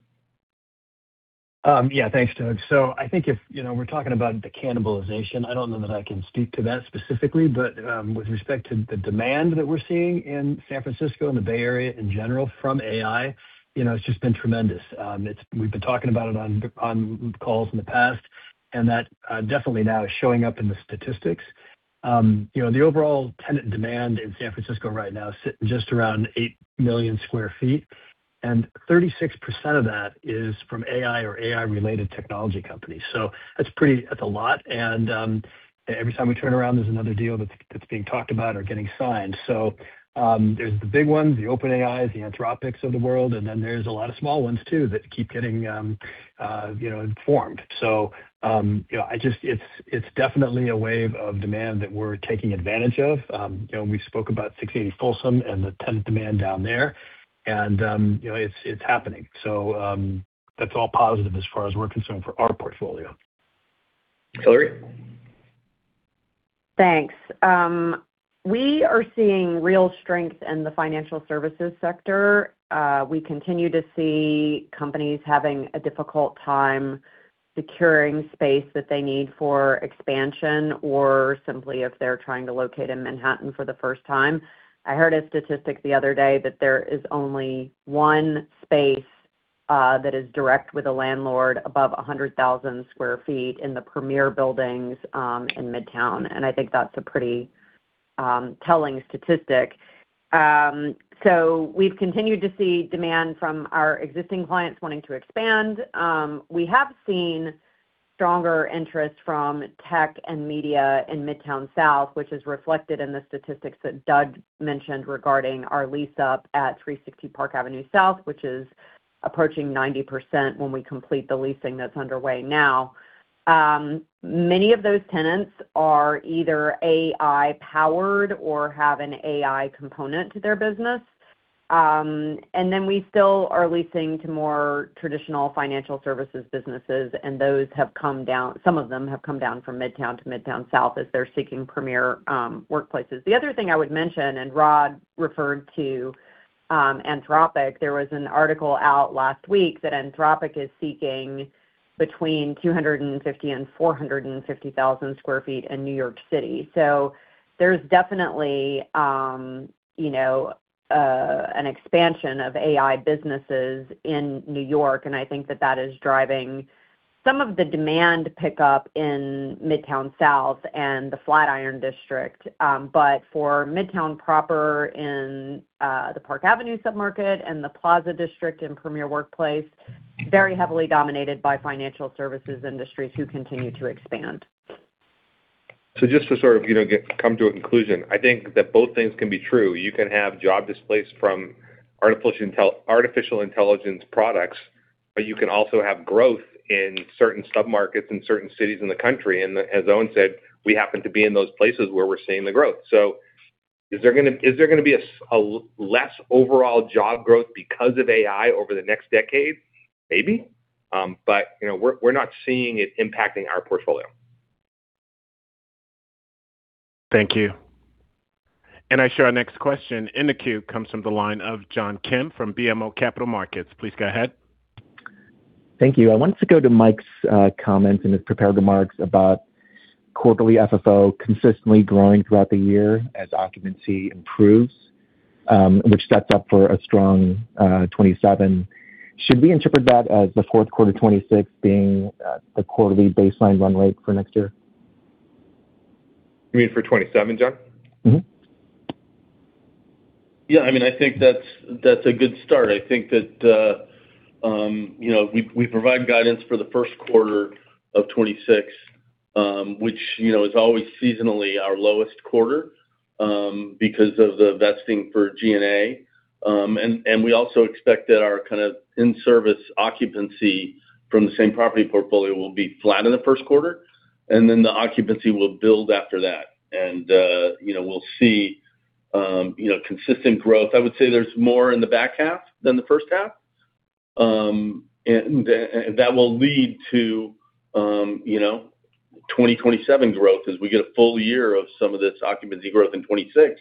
Yeah, thanks, Doug. So I think if, you know, we're talking about the cannibalization, I don't know that I can speak to that specifically, but with respect to the demand that we're seeing in San Francisco and the Bay Area in general from AI, you know, it's just been tremendous. It's—we've been talking about it on the, on calls in the past, and that definitely now is showing up in the statistics. You know, the overall tenant demand in San Francisco right now is sitting just around 8 million sq ft, and 36% of that is from AI or AI-related technology companies. So that's pretty—that's a lot, and every time we turn around, there's another deal that's, that's being talked about or getting signed. So, there's the big ones, the OpenAI, the Anthropics of the world, and then there's a lot of small ones, too, that keep getting, you know, informed. So, you know, I just - it's, it's definitely a wave of demand that we're taking advantage of. You know, we spoke about 680 Folsom and the tenant demand down there, and, you know, it's, it's happening. So, that's all positive as far as we're concerned for our portfolio. Hilary? Thanks. We are seeing real strength in the financial services sector. We continue to see companies having a difficult time securing space that they need for expansion or simply if they're trying to locate in Manhattan for the first time. I heard a statistic the other day that there is only one space that is direct with a landlord above 100,000 sq ft in the premier buildings in Midtown, and I think that's a pretty telling statistic. So we've continued to see demand from our existing clients wanting to expand. We have seen stronger interest from tech and media in Midtown South, which is reflected in the statistics that Doug mentioned regarding our lease-up at 360 Park Avenue South, which is approaching 90% when we complete the leasing that's underway now. Many of those tenants are either AI-powered or have an AI component to their business. And then we still are leasing to more traditional financial services businesses, and those have come down. Some of them have come down from Midtown to Midtown South as they're seeking premier workplaces. The other thing I would mention, and Rod referred to, Anthropic, there was an article out last week that Anthropic is seeking between 250,000sq ft-450,000 sq ft in New York City. So there's definitely, you know, an expansion of AI businesses in New York, and I think that that is driving some of the demand pickup in Midtown South and the Flatiron District. But for Midtown proper in the Park Avenue submarket and the Plaza District in premier workplace, very heavily dominated by financial services industries who continue to expand. So just to sort of, you know, get, come to a conclusion, I think that both things can be true. You can have job displaced from artificial intelligence products, but you can also have growth in certain submarkets and certain cities in the country. And as Owen said, we happen to be in those places where we're seeing the growth. So is there gonna be a less overall job growth because of AI over the next decade? Maybe. But, you know, we're not seeing it impacting our portfolio. Thank you. And I show our next question in the queue comes from the line of John Kim from BMO Capital Markets. Please go ahead. Thank you. I wanted to go to Mike's comments and his prepared remarks about quarterly FFO consistently growing throughout the year as occupancy improves, which sets up for a strong 2027. Should we interpret that as the fourth quarter of 2026 being the quarterly baseline run rate for next year? You mean for 27, John? Mm-hmm.... Yeah, I mean, I think that's, that's a good start. I think that, you know, we, we provide guidance for the first quarter of 2026, which, you know, is always seasonally our lowest quarter, because of the vesting for G&A. And, and we also expect that our kind of in-service occupancy from the same property portfolio will be flat in the first quarter, and then the occupancy will build after that. And, you know, we'll see, you know, consistent growth. I would say there's more in the back half than the first half. And that will lead to, you know, 2027 growth as we get a full year of some of this occupancy growth in 2026.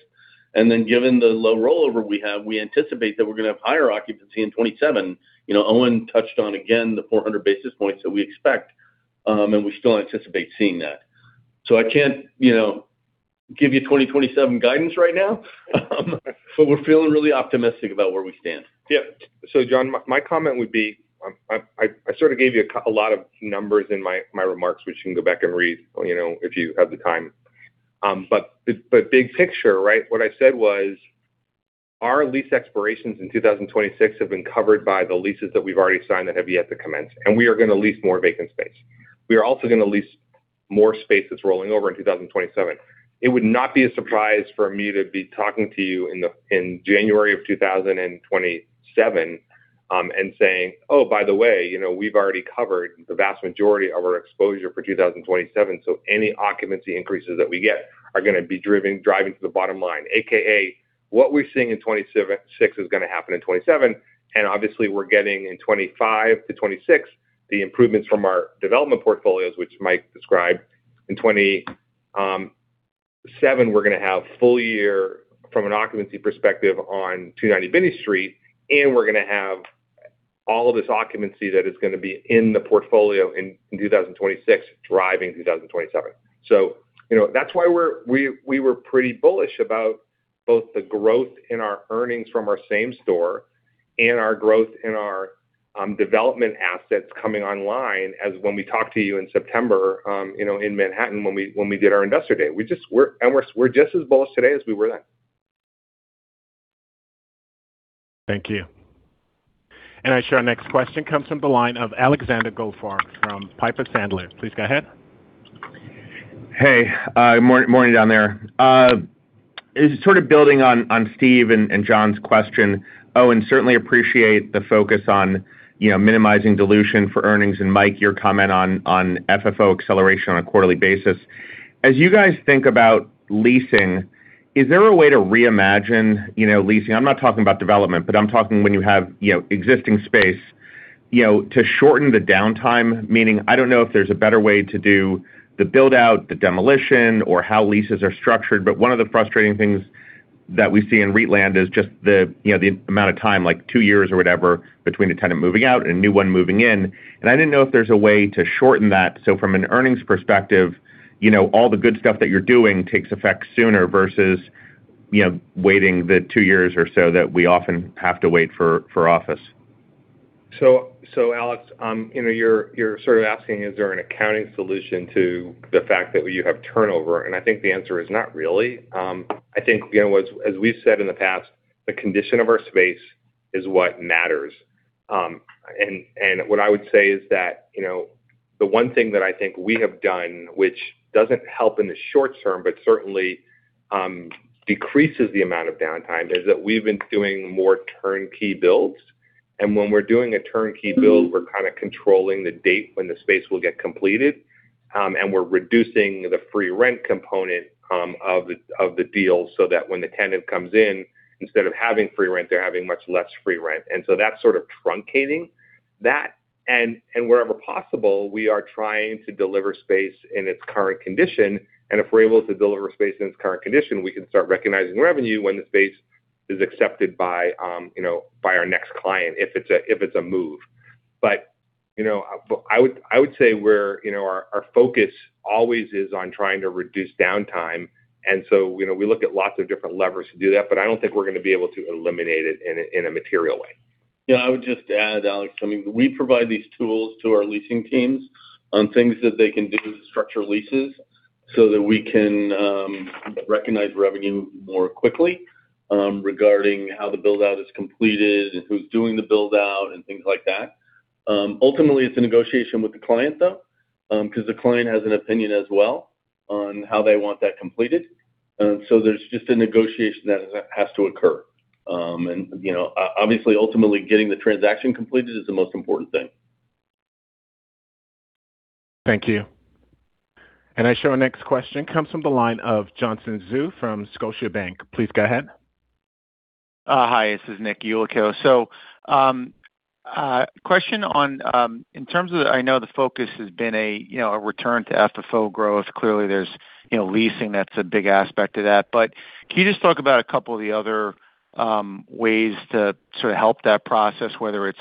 And then, given the low rollover we have, we anticipate that we're gonna have higher occupancy in 2027. You know, Owen touched on, again, the 400 basis points that we expect, and we still anticipate seeing that. So I can't, you know, give you 2027 guidance right now, but we're feeling really optimistic about where we stand. Yeah. So John, my comment would be, I sort of gave you a lot of numbers in my remarks, which you can go back and read, you know, if you have the time. But the big picture, right? What I said was, our lease expirations in 2026 have been covered by the leases that we've already signed that have yet to commence, and we are gonna lease more vacant space. We are also gonna lease more space that's rolling over in 2027. It would not be a surprise for me to be talking to you in the... in January of 2027, and saying, "Oh, by the way, you know, we've already covered the vast majority of our exposure for 2027, so any occupancy increases that we get are gonna be driving to the bottom line." AKA, what we're seeing in 26 is gonna happen in 2027, and obviously we're getting in 2025 to 2026, the improvements from our development portfolios, which Mike described. In 2027, we're gonna have full year from an occupancy perspective on 290 Binney Street, and we're gonna have all of this occupancy that is gonna be in the portfolio in 2026, driving 2027. So, you know, that's why we were pretty bullish about both the growth in our earnings from our same store and our growth in our development assets coming online, as when we talked to you in September, you know, in Manhattan, when we did our investor day. We're just as bullish today as we were then. Thank you. Our next question comes from the line of Alexander Goldfarb from Piper Sandler. Please go ahead. Hey, morning, morning down there. Is sort of building on Steve and John's question. Owen, certainly appreciate the focus on, you know, minimizing dilution for earnings, and Mike, your comment on FFO acceleration on a quarterly basis. As you guys think about leasing, is there a way to reimagine, you know, leasing? I'm not talking about development, but I'm talking when you have, you know, existing space, you know, to shorten the downtime, meaning I don't know if there's a better way to do the build-out, the demolition, or how leases are structured. But one of the frustrating things that we see in REIT land is just the, you know, the amount of time, like two years or whatever, between the tenant moving out and a new one moving in. And I didn't know if there's a way to shorten that. From an earnings perspective, you know, all the good stuff that you're doing takes effect sooner versus, you know, waiting the two years or so that we often have to wait for, for office. So, Alex, you know, you're, you're sort of asking, is there an accounting solution to the fact that you have turnover? I think the answer is not really. I think, you know, as, as we've said in the past, the condition of our space is what matters. And what I would say is that, you know, the one thing that I think we have done, which doesn't help in the short term, but certainly decreases the amount of downtime, is that we've been doing more turnkey builds. And when we're doing a turnkey build, we're kinda controlling the date when the space will get completed, and we're reducing the free rent component of the deal, so that when the tenant comes in, instead of having free rent, they're having much less free rent. And so that's sort of truncating that. And wherever possible, we are trying to deliver space in its current condition, and if we're able to deliver space in its current condition, we can start recognizing revenue when the space is accepted by, you know, by our next client, if it's a move. But, you know, but I would say we're you know, our focus always is on trying to reduce downtime, and so, you know, we look at lots of different levers to do that, but I don't think we're gonna be able to eliminate it in a material way. Yeah, I would just add, Alex, I mean, we provide these tools to our leasing teams on things that they can do to structure leases so that we can recognize revenue more quickly, regarding how the build-out is completed and who's doing the build-out and things like that. Ultimately, it's a negotiation with the client, though, 'cause the client has an opinion as well on how they want that completed. So there's just a negotiation that has to occur. And, you know, obviously, ultimately, getting the transaction completed is the most important thing. Thank you. I show our next question comes from the line of Johnson Zhu from Scotiabank. Please go ahead. Hi, this is Nick Yulico. So, question on, in terms of... I know the focus has been a, you know, a return to FFO growth. Clearly, there's, you know, leasing, that's a big aspect of that. But can you just talk about a couple of the other ways to sort of help that process, whether it's,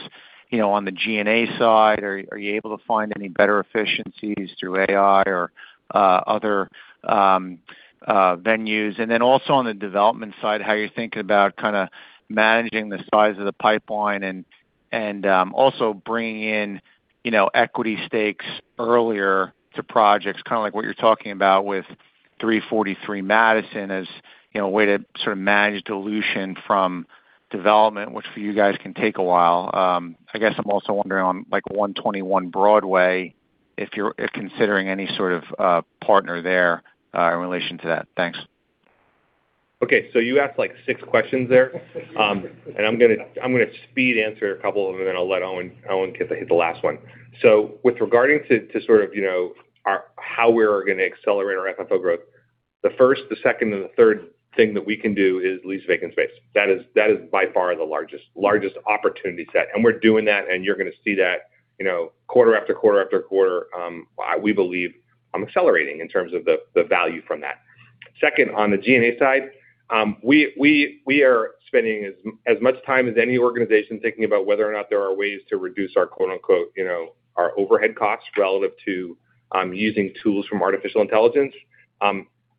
you know, on the G&A side, or are you able to find any better efficiencies through AI or other venues? And then also on the development side, how you're thinking about kinda managing the size of the pipeline and also bringing in, you know, equity stakes earlier to projects, kind of like what you're talking about with 343 Madison, as, you know, a way to sort of manage dilution from development, which for you guys, can take a while. I guess I'm also wondering on, like, 121 Broadway, if considering any sort of partner there, in relation to that. Thanks. Okay. So you asked, like, six questions there. And I'm gonna, I'm gonna speed answer a couple of them, and then I'll let Owen, Owen take the hit on the last one. So with regard to, to sort of, you know, our how we're gonna accelerate our FFO growth, the first, the second, and the third thing that we can do is lease vacant space. That is, that is by far the largest, largest opportunity set, and we're doing that, and you're gonna see that, you know, quarter after quarter after quarter, we believe accelerating in terms of the value from that. Second, on the G&A side, we are spending as much time as any organization thinking about whether or not there are ways to reduce our, quote, unquote, you know, our overhead costs relative to using tools from artificial intelligence.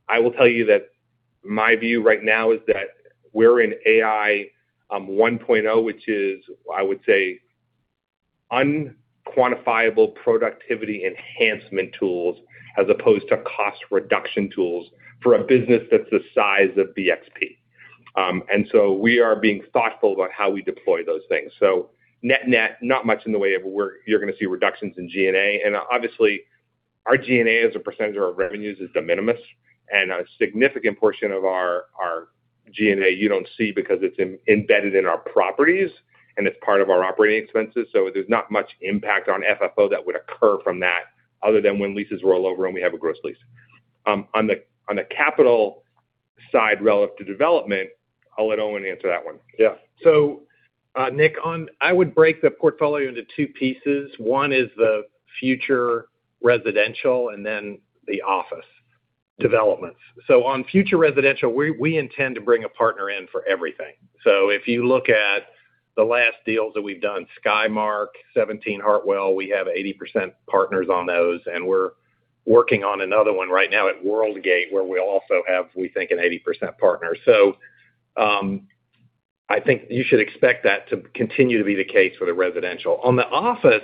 I will tell you that my view right now is that we're in AI 1.0, which is, I would say, unquantifiable productivity enhancement tools as opposed to cost reduction tools for a business that's the size of BXP. And so we are being thoughtful about how we deploy those things. So net-net, not much in the way of work. You're gonna see reductions in G&A. And obviously, our G&A, as a percentage of our revenues, is de minimis, and a significant portion of our G&A, you don't see because it's embedded in our properties, and it's part of our operating expenses, so there's not much impact on FFO that would occur from that, other than when leases roll over and we have a gross lease. On the capital side, relative to development, I'll let Owen answer that one. Yeah. So, Nick, on... I would break the portfolio into two pieces. One is the future residential and then the office developments. So on future residential, we intend to bring a partner in for everything. So if you look at the last deals that we've done, Skymark, 17 Hartwell, we have 80% partners on those, and we're working on another one right now at Worldgate, where we'll also have, we think, an 80% partner. So, I think you should expect that to continue to be the case with the residential. On the office,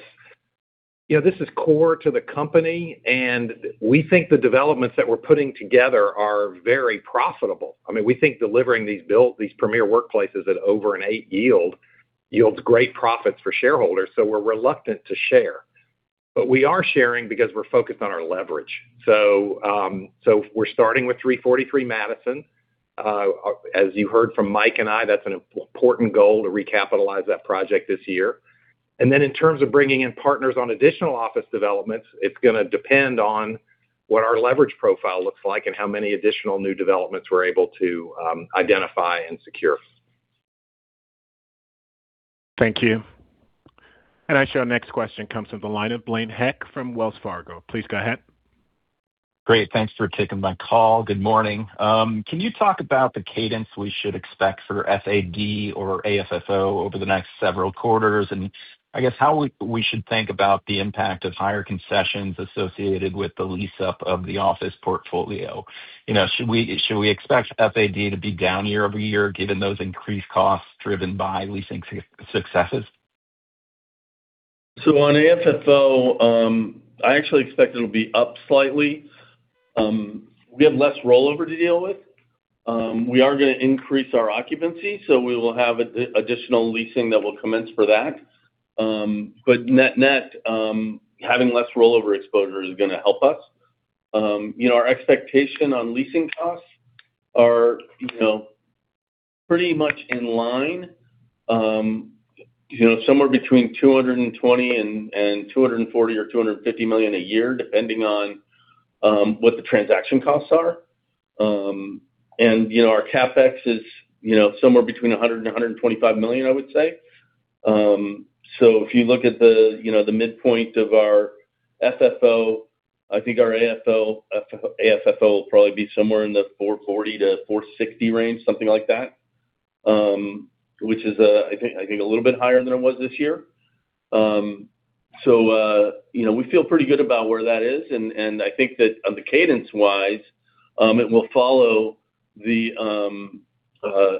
you know, this is core to the company, and we think the developments that we're putting together are very profitable. I mean, we think delivering these premier workplaces at over an 8% yield yields great profits for shareholders, so we're reluctant to share. But we are sharing because we're focused on our leverage. So, we're starting with 343 Madison. As you heard from Mike and I, that's an important goal to recapitalize that project this year. And then, in terms of bringing in partners on additional office developments, it's gonna depend on what our leverage profile looks like and how many additional new developments we're able to identify and secure. Thank you. Our next question comes from the line of Blaine Heck from Wells Fargo. Please go ahead. Great. Thanks for taking my call. Good morning. Can you talk about the cadence we should expect for FAD or AFFO over the next several quarters? And I guess, how we should think about the impact of higher concessions associated with the lease-up of the office portfolio? You know, should we expect FAD to be down year-over-year, given those increased costs driven by leasing successes? So on AFFO, I actually expect it'll be up slightly. We have less rollover to deal with. We are gonna increase our occupancy, so we will have a additional leasing that will commence for that. But net-net, having less rollover exposure is gonna help us. You know, our expectation on leasing costs are, you know, pretty much in line, you know, somewhere between $220 million-$240 million or $250 million a year, depending on what the transaction costs are. And, you know, our CapEx is, you know, somewhere between $100 million-$125 million, I would say. So if you look at the, you know, the midpoint of our FFO, I think our AFFO will probably be somewhere in the $4.40-$4.60 range, something like that, which is, I think a little bit higher than it was this year. So, you know, we feel pretty good about where that is, and I think that on the cadence-wise, it will follow the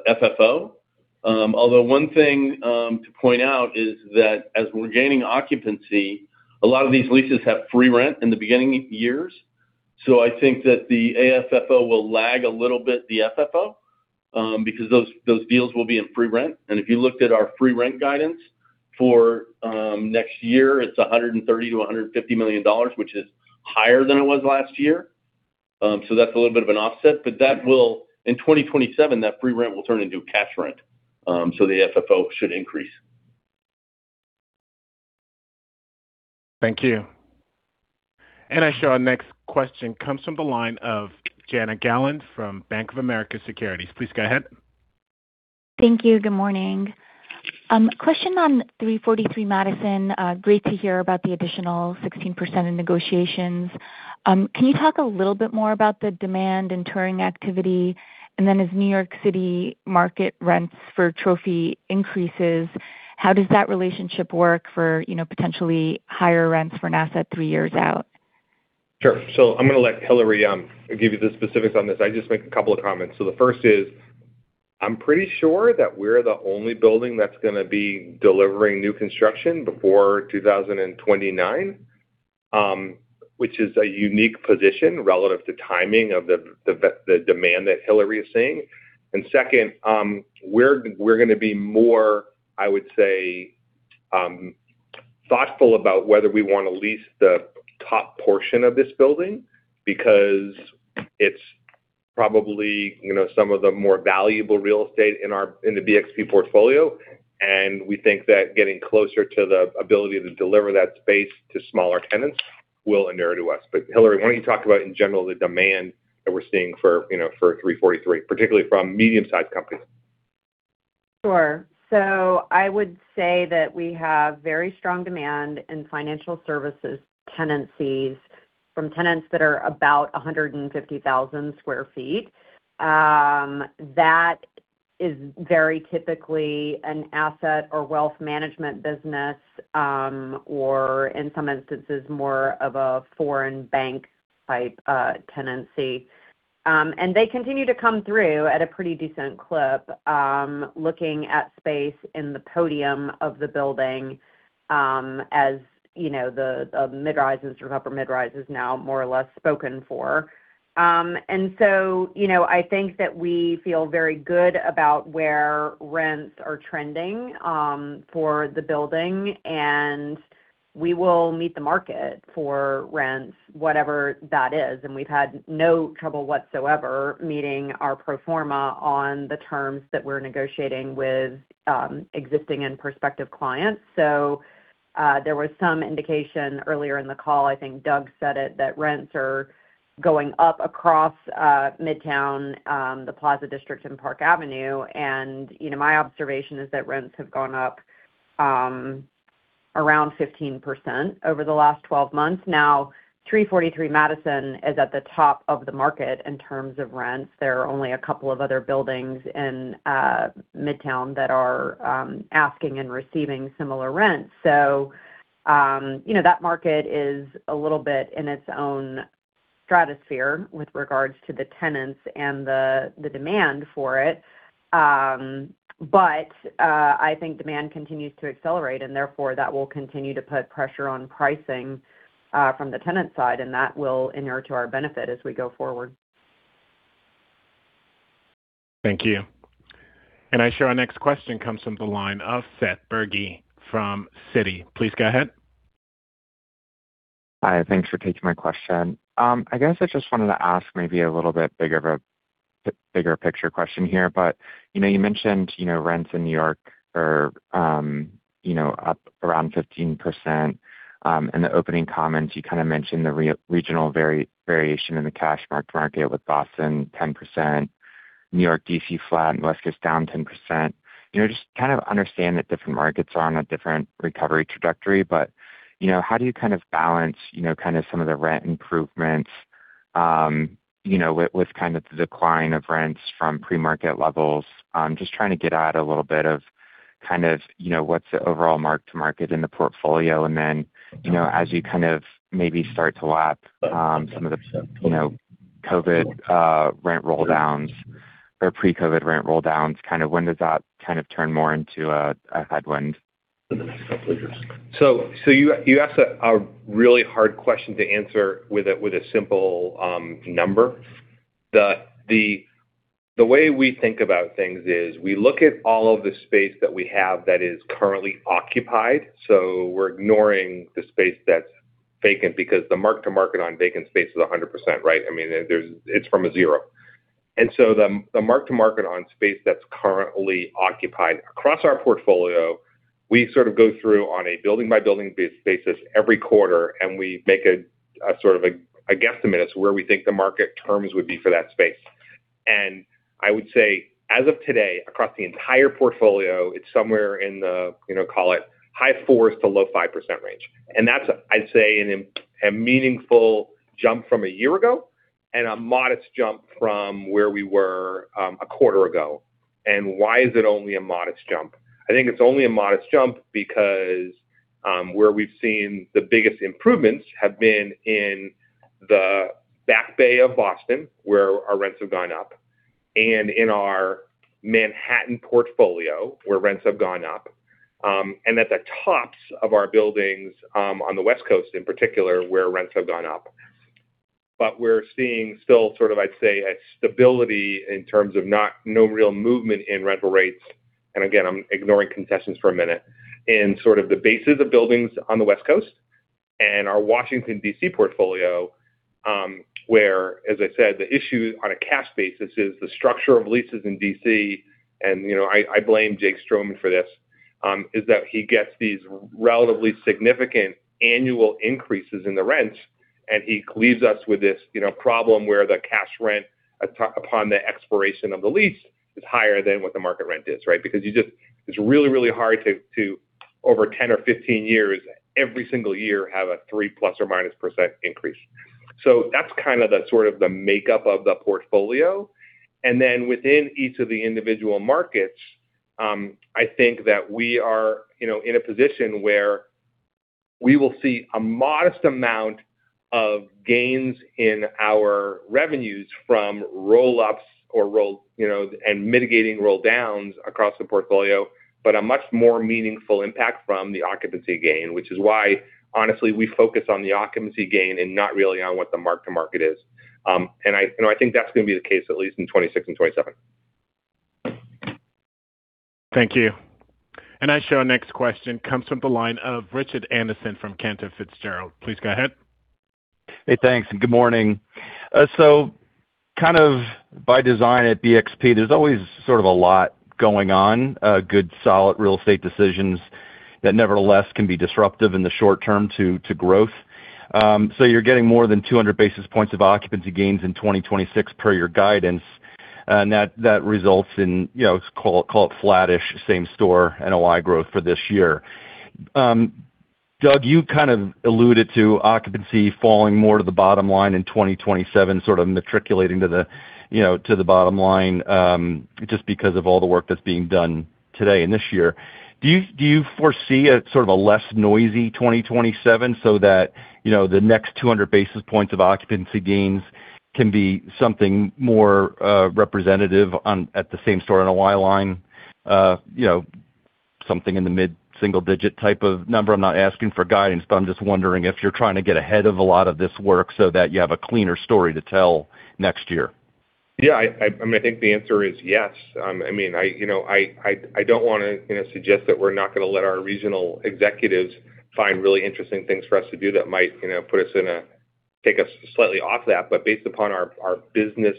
FFO. Although one thing to point out is that as we're gaining occupancy, a lot of these leases have free rent in the beginning years. So I think that the AFFO will lag a little bit, the FFO, because those, those deals will be in free rent. If you looked at our free rent guidance for next year, it's $130 million-$150 million, which is higher than it was last year. So that's a little bit of an offset, but that will... In 2027, that free rent will turn into a cash rent, so the FFO should increase. Thank you. And our next question comes from the line of Jana Galan, from Bank of America Securities. Please go ahead. Thank you. Good morning. Question on 343 Madison. Great to hear about the additional 16% in negotiations. Can you talk a little bit more about the demand and touring activity? And then, as New York City market rents for trophy increases, how does that relationship work for, you know, potentially higher rents for an asset three years out?... Sure. So I'm gonna let Hilary, give you the specifics on this. I'll just make a couple of comments. So the first is, I'm pretty sure that we're the only building that's gonna be delivering new construction before 2029, which is a unique position relative to timing of the demand that Hilary is seeing. And second, we're gonna be more, I would say, thoughtful about whether we wanna lease the top portion of this building, because it's probably, you know, some of the more valuable real estate in our—in the BXP portfolio, and we think that getting closer to the ability to deliver that space to smaller tenants will inure to us. But Hilary, why don't you talk about, in general, the demand that we're seeing for, you know, for 343, particularly from medium-sized companies? Sure. So I would say that we have very strong demand in financial services tenancies from tenants that are about 150,000 sq ft. That is very typically an asset or wealth management business, or in some instances, more of a foreign bank-type tenancy. And they continue to come through at a pretty decent clip, looking at space in the podium of the building, as you know, the mid-rises or upper mid-rises now, more or less spoken for. And so, you know, I think that we feel very good about where rents are trending for the building, and we will meet the market for rents, whatever that is, and we've had no trouble whatsoever meeting our pro forma on the terms that we're negotiating with existing and prospective clients. So, there was some indication earlier in the call, I think Doug said it, that rents are going up across Midtown, the Plaza District and Park Avenue. And, you know, my observation is that rents have gone up around 15% over the last 12 months. Now, 343 Madison is at the top of the market in terms of rents. There are only a couple of other buildings in Midtown that are asking and receiving similar rents. So, you know, that market is a little bit in its own stratosphere with regards to the tenants and the demand for it. But I think demand continues to accelerate, and therefore, that will continue to put pressure on pricing from the tenant side, and that will inure to our benefit as we go forward. Thank you. And I show our next question comes from the line of Seth Bergey from Citi. Please go ahead. Hi, thanks for taking my question. I guess I just wanted to ask maybe a little bit bigger picture question here, but you know, you mentioned, you know, rents in New York are, you know, up around 15%. In the opening comments, you kind of mentioned the regional variation in the cash mark-to-market, with Boston 10%, New York, D.C., flat, and West Coast down 10%. You know, just to kind of understand that different markets are on a different recovery trajectory, but you know, how do you kind of balance, you know, kind of some of the rent improvements, you know, with kind of the decline of rents from pre-market levels? I'm just trying to get out a little bit of, kind of, you know, what's the overall mark-to-market in the portfolio, and then, you know, as you kind of maybe start to lap, some of the, you know, COVID, rent rolldowns or pre-COVID rent rolldowns, kind of when does that kind of turn more into a headwind? You asked a really hard question to answer with a simple number. The way we think about things is we look at all of the space that we have that is currently occupied, so we're ignoring the space that's vacant, because the mark to market on vacant space is 100%, right? I mean, there's—it's from a zero. And so the mark to market on space that's currently occupied across our portfolio, we sort of go through on a building-by-building basis every quarter, and we make a sort of a guesstimate as to where we think the market terms would be for that space. And I would say, as of today, across the entire portfolio, it's somewhere in the, you know, call it high 4s to low 5% range. That's, I'd say, a meaningful jump from a year ago, and a modest jump from where we were, a quarter ago. Why is it only a modest jump? I think it's only a modest jump because, where we've seen the biggest improvements have been in the Back Bay of Boston, where our rents have gone up, and in our Manhattan portfolio, where rents have gone up, and at the tops of our buildings, on the West Coast, in particular, where rents have gone up. But we're seeing still, sort of, I'd say, a stability in terms of no real movement in rental rates, and again, I'm ignoring concessions for a minute, in sort of the bases of buildings on the West Coast and our Washington, D.C., portfolio, where, as I said, the issue on a cash basis is the structure of leases in D.C., and, you know, I, I blame Jake Stroman for this, is that he gets these relatively significant annual increases in the rents, and he leaves us with this, you know, problem, where the cash rent upon the expiration of the lease is higher than what the market rent is, right? Because you just... It's really, really hard to, over 10 or 15 years, every single year, have a ±3% increase. So that's kind of the, sort of the makeup of the portfolio. And then within each of the individual markets, I think that we are, you know, in a position where we will see a modest amount of gains in our revenues from roll-ups or roll, you know, and mitigating roll-downs across the portfolio, but a much more meaningful impact from the occupancy gain, which is why, honestly, we focus on the occupancy gain and not really on what the mark-to-market is. And I, you know, I think that's gonna be the case, at least in 2026 and 2027. Thank you. I show our next question comes from the line of Richard Anderson from Cantor Fitzgerald. Please go ahead. Hey, thanks, and good morning. So kind of by design at BXP, there's always sort of a lot going on, good, solid real estate decisions that nevertheless can be disruptive in the short term to, to growth. So you're getting more than 200 basis points of occupancy gains in 2026 per your guidance, and that, that results in, you know, call it, call it flattish, same store, NOI growth for this year. Doug, you kind of alluded to occupancy falling more to the bottom line in 2027, sort of matriculating to the, you know, to the bottom line, just because of all the work that's being done today and this year. Do you foresee a sort of a less noisy 2027 so that, you know, the next 200 basis points of occupancy gains can be something more representative at the same store NOI line? You know, something in the mid-single digit type of number. I'm not asking for guidance, but I'm just wondering if you're trying to get ahead of a lot of this work so that you have a cleaner story to tell next year. Yeah, I mean, I think the answer is yes. I mean, you know, I don't wanna, you know, suggest that we're not gonna let our regional executives find really interesting things for us to do that might, you know, put us in a... Take us slightly off that, but based upon our business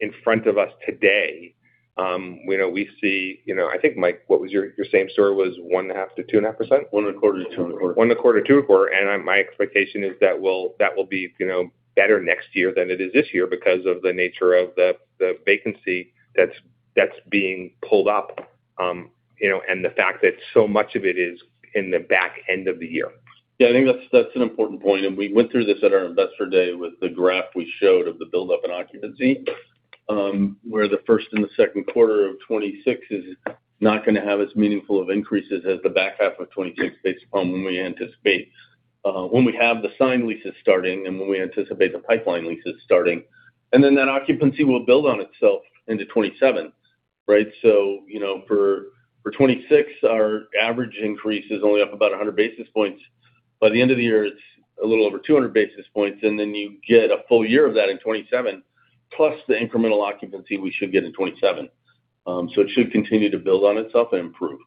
in front of us today, we know, we see, you know, I think, Mike, what was your same story was 1.5%-2.5%? 1.25%-2.25%. 1.25%-2.25%, and my expectation is that will be, you know, better next year than it is this year because of the nature of the vacancy that's being pulled up, you know, and the fact that so much of it is in the back end of the year. Yeah, I think that's an important point, and we went through this at our Investor Day with the graph we showed of the buildup in occupancy, where the first and the second quarter of 2026 is not gonna have as meaningful of increases as the back half of 2026, based upon when we anticipate when we have the signed leases starting and when we anticipate the pipeline leases starting. And then that occupancy will build on itself into 2027, right? So, you know, for 2026, our average increase is only up about 100 basis points. By the end of the year, it's a little over 200 basis points, and then you get a full year of that in 2027, plus the incremental occupancy we should get in 2027. So it should continue to build on itself and improve.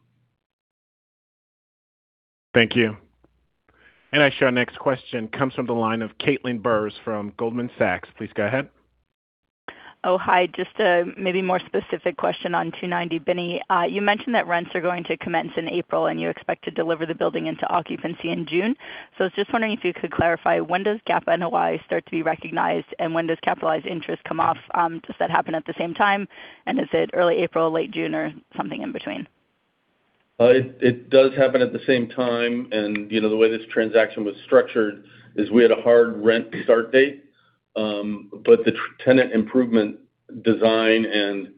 Thank you. Our next question comes from the line of Caitlin Burrows from Goldman Sachs. Please go ahead. Oh, hi, just a maybe more specific question on 290 Binney. You mentioned that rents are going to commence in April, and you expect to deliver the building into occupancy in June. So I was just wondering if you could clarify, when does GAAP NOI start to be recognized, and when does capitalized interest come off? Does that happen at the same time, and is it early April, late June, or something in between? It does happen at the same time, and, you know, the way this transaction was structured is we had a hard rent start date, but the tenant improvement design and,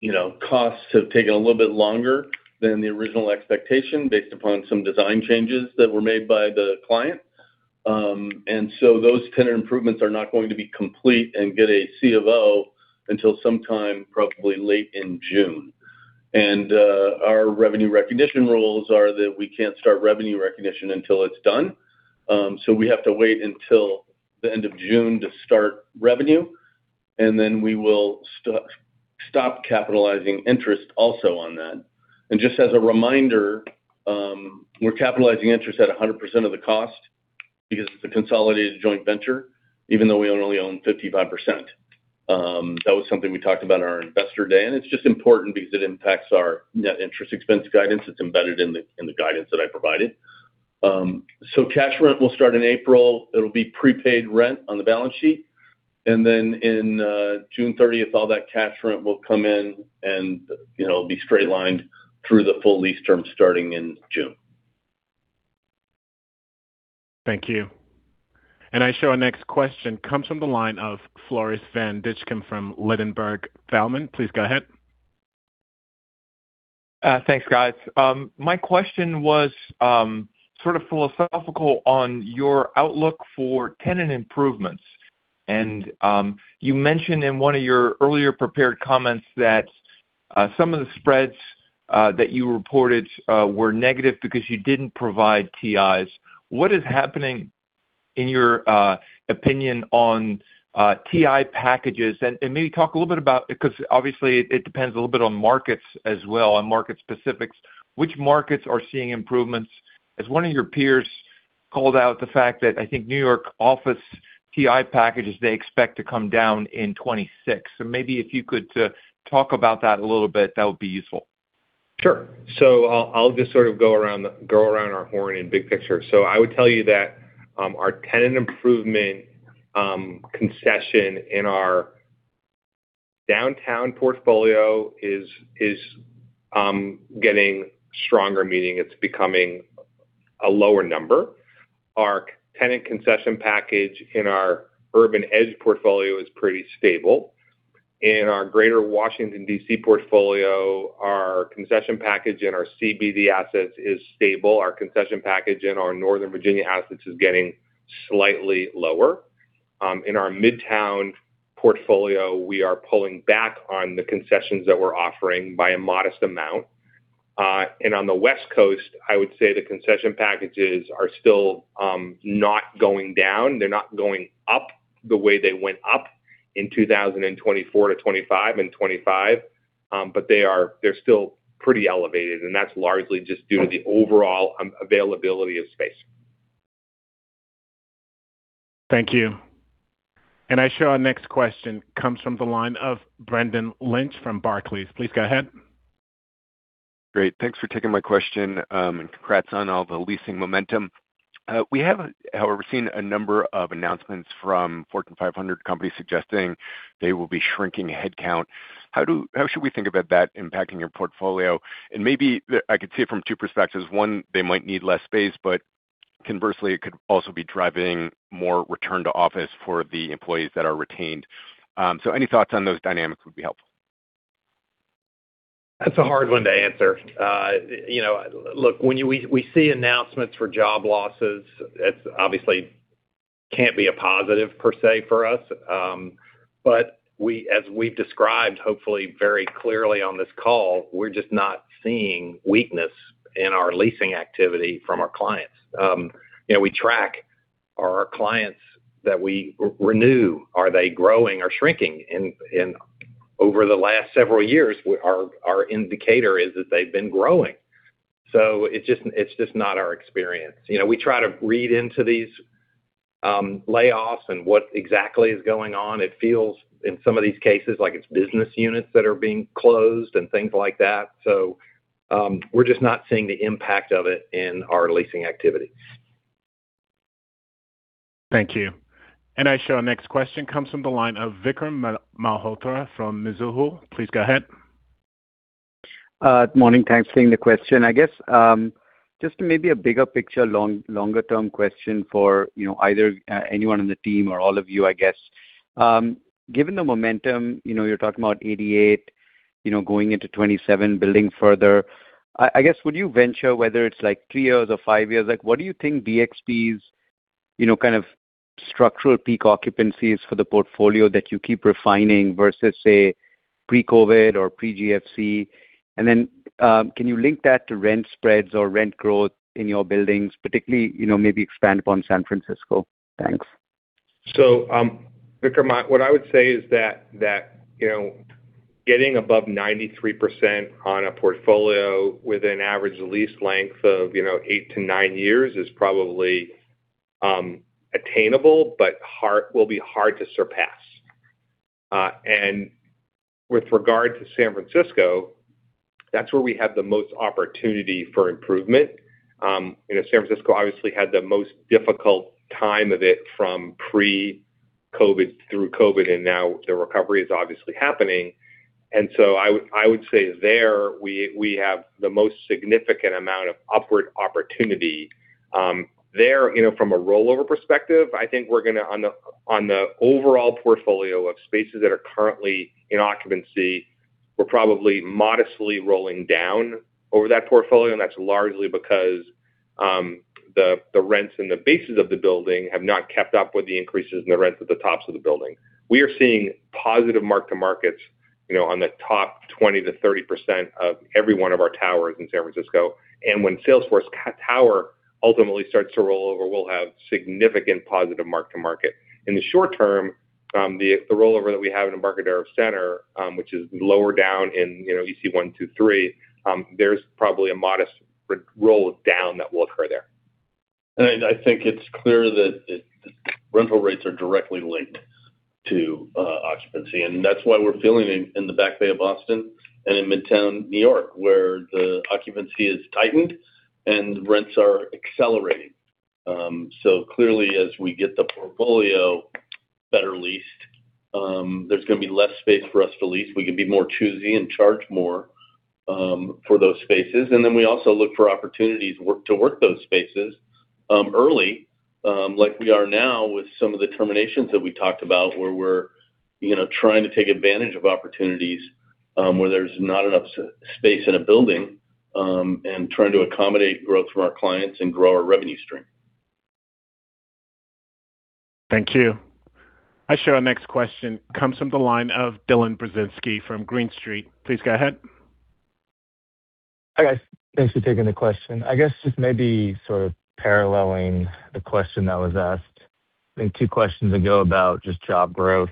you know, costs have taken a little bit longer than the original expectation based upon some design changes that were made by the client. And so those tenant improvements are not going to be complete and get a C of O until sometime, probably late in June. Our revenue recognition rules are that we can't start revenue recognition until it's done, so we have to wait until the end of June to start revenue, and then we will stop capitalizing interest also on that. Just as a reminder, we're capitalizing interest at 100% of the cost because it's a consolidated joint venture, even though we only own 55%. That was something we talked about in our Investor Day, and it's just important because it impacts our net interest expense guidance. It's embedded in the, in the guidance that I provided. So cash rent will start in April. It'll be prepaid rent on the balance sheet, and then in June 30th, all that cash rent will come in and, you know, be straight-lined through the full lease term starting in June. Thank you. And I show our next question comes from the line of Floris van Dijkum from Ladenburg Thalmann. Please go ahead. Thanks, guys. My question was sort of philosophical on your outlook for tenant improvements. And you mentioned in one of your earlier prepared comments that some of the spreads that you reported were negative because you didn't provide TIs. What is happening, in your opinion, on TI packages? And maybe talk a little bit about... Because obviously it depends a little bit on markets as well, on market specifics. Which markets are seeing improvements, as one of your peers called out the fact that I think New York office TI packages, they expect to come down in 2026. So maybe if you could talk about that a little bit, that would be useful. Sure. So I'll just sort of go around our horn in big picture. So I would tell you that our tenant improvement concession in our downtown portfolio is getting stronger, meaning it's becoming a lower number. Our tenant concession package in our Urban Edge portfolio is pretty stable. In our Greater Washington, DC, portfolio, our concession package in our CBD assets is stable. Our concession package in our Northern Virginia assets is getting slightly lower. In our Midtown portfolio, we are pulling back on the concessions that we're offering by a modest amount. And on the West Coast, I would say the concession packages are still not going down. They're not going up the way they went up in 2024 to 2025 and 2025, but they are—they're still pretty elevated, and that's largely just due to the overall availability of space. Thank you. And I show our next question comes from the line of Brendan Lynch from Barclays. Please go ahead. Great. Thanks for taking my question, and congrats on all the leasing momentum. We have, however, seen a number of announcements from Fortune 500 companies suggesting they will be shrinking headcount. How should we think about that impacting your portfolio? And maybe I could see it from two perspectives. One, they might need less space, but conversely, it could also be driving more return to office for the employees that are retained. So any thoughts on those dynamics would be helpful. That's a hard one to answer. You know, look, when we see announcements for job losses, it's obviously can't be a positive per se for us, but we—as we've described, hopefully very clearly on this call, we're just not seeing weakness in our leasing activity from our clients. You know, we track our clients that we renew, are they growing or shrinking? And over the last several years, our indicator is that they've been growing. So it's just, it's just not our experience. You know, we try to read into these layoffs and what exactly is going on. It feels, in some of these cases, like it's business units that are being closed and things like that. So, we're just not seeing the impact of it in our leasing activities. Thank you. I show our next question comes from the line of Vikram Malhotra from Mizuho. Please go ahead. Morning. Thanks for taking the question. I guess, just maybe a bigger picture, longer-term question for, you know, either, anyone on the team or all of you, I guess. Given the momentum, you know, you're talking about 88, you know, going into 2027, building further, I guess, would you venture whether it's, like, three years or five years? Like, what do you think BXP's, you know, kind of structural peak occupancies for the portfolio that you keep refining versus, say, pre-COVID or pre-GFC? And then, can you link that to rent spreads or rent growth in your buildings, particularly, you know, maybe expand upon San Francisco? Thanks. So, Vikram, what I would say is that, you know, getting above 93% on a portfolio with an average lease length of, you know, 8-9 years is probably attainable, but hard - will be hard to surpass. And with regard to San Francisco, that's where we have the most opportunity for improvement. You know, San Francisco obviously had the most difficult time of it from pre-COVID through COVID, and now the recovery is obviously happening. And so I would say there, we have the most significant amount of upward opportunity. There, you know, from a rollover perspective, I think we're gonna on the, on the overall portfolio of spaces that are currently in occupancy, we're probably modestly rolling down over that portfolio, and that's largely because, the rents and the bases of the building have not kept up with the increases in the rents at the tops of the building. We are seeing positive mark-to-markets, you know, on the top 20%-30% of every one of our towers in San Francisco, and when Salesforce Tower ultimately starts to roll over, we'll have significant positive mark-to-market. In the short term, the rollover that we have in Embarcadero Center, which is lower down in, you know, EC 1, 2, 3, there's probably a modest roll down that will occur there. And I think it's clear that rental rates are directly linked to occupancy, and that's why we're feeling it in the Back Bay of Boston and in Midtown, New York, where the occupancy is tightened and rents are accelerating. So clearly, as we get the portfolio better leased, there's gonna be less space for us to lease. We can be more choosy and charge more for those spaces. And then we also look for opportunities to work those spaces early, like we are now with some of the terminations that we talked about, where we're, you know, trying to take advantage of opportunities where there's not enough space in a building, and trying to accommodate growth from our clients and grow our revenue stream. Thank you. I show our next question comes from the line of Dylan Burzinski from Green Street. Please go ahead. Hi, guys. Thanks for taking the question. I guess just maybe sort of paralleling the question that was asked, I think two questions ago, about just job growth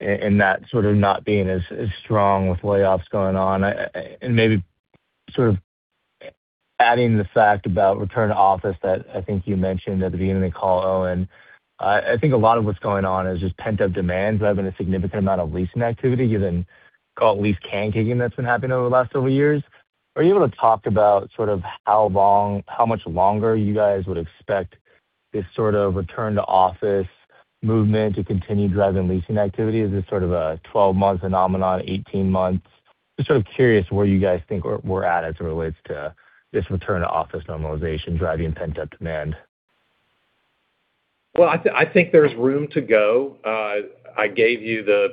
and that sort of not being as strong with layoffs going on, and maybe sort of adding the fact about return to office that I think you mentioned at the beginning of the call, Owen. I think a lot of what's going on is just pent-up demand, driving a significant amount of leasing activity, given lease can kicking that's been happening over the last several years. Are you able to talk about sort of how long, how much longer you guys would expect this sort of return to office movement to continue driving leasing activity? Is this sort of a 12-month phenomenon, 18 months? ... Just sort of curious where you guys think we're, we're at as it relates to this return to office normalization driving pent-up demand? Well, I think there's room to go. I gave you the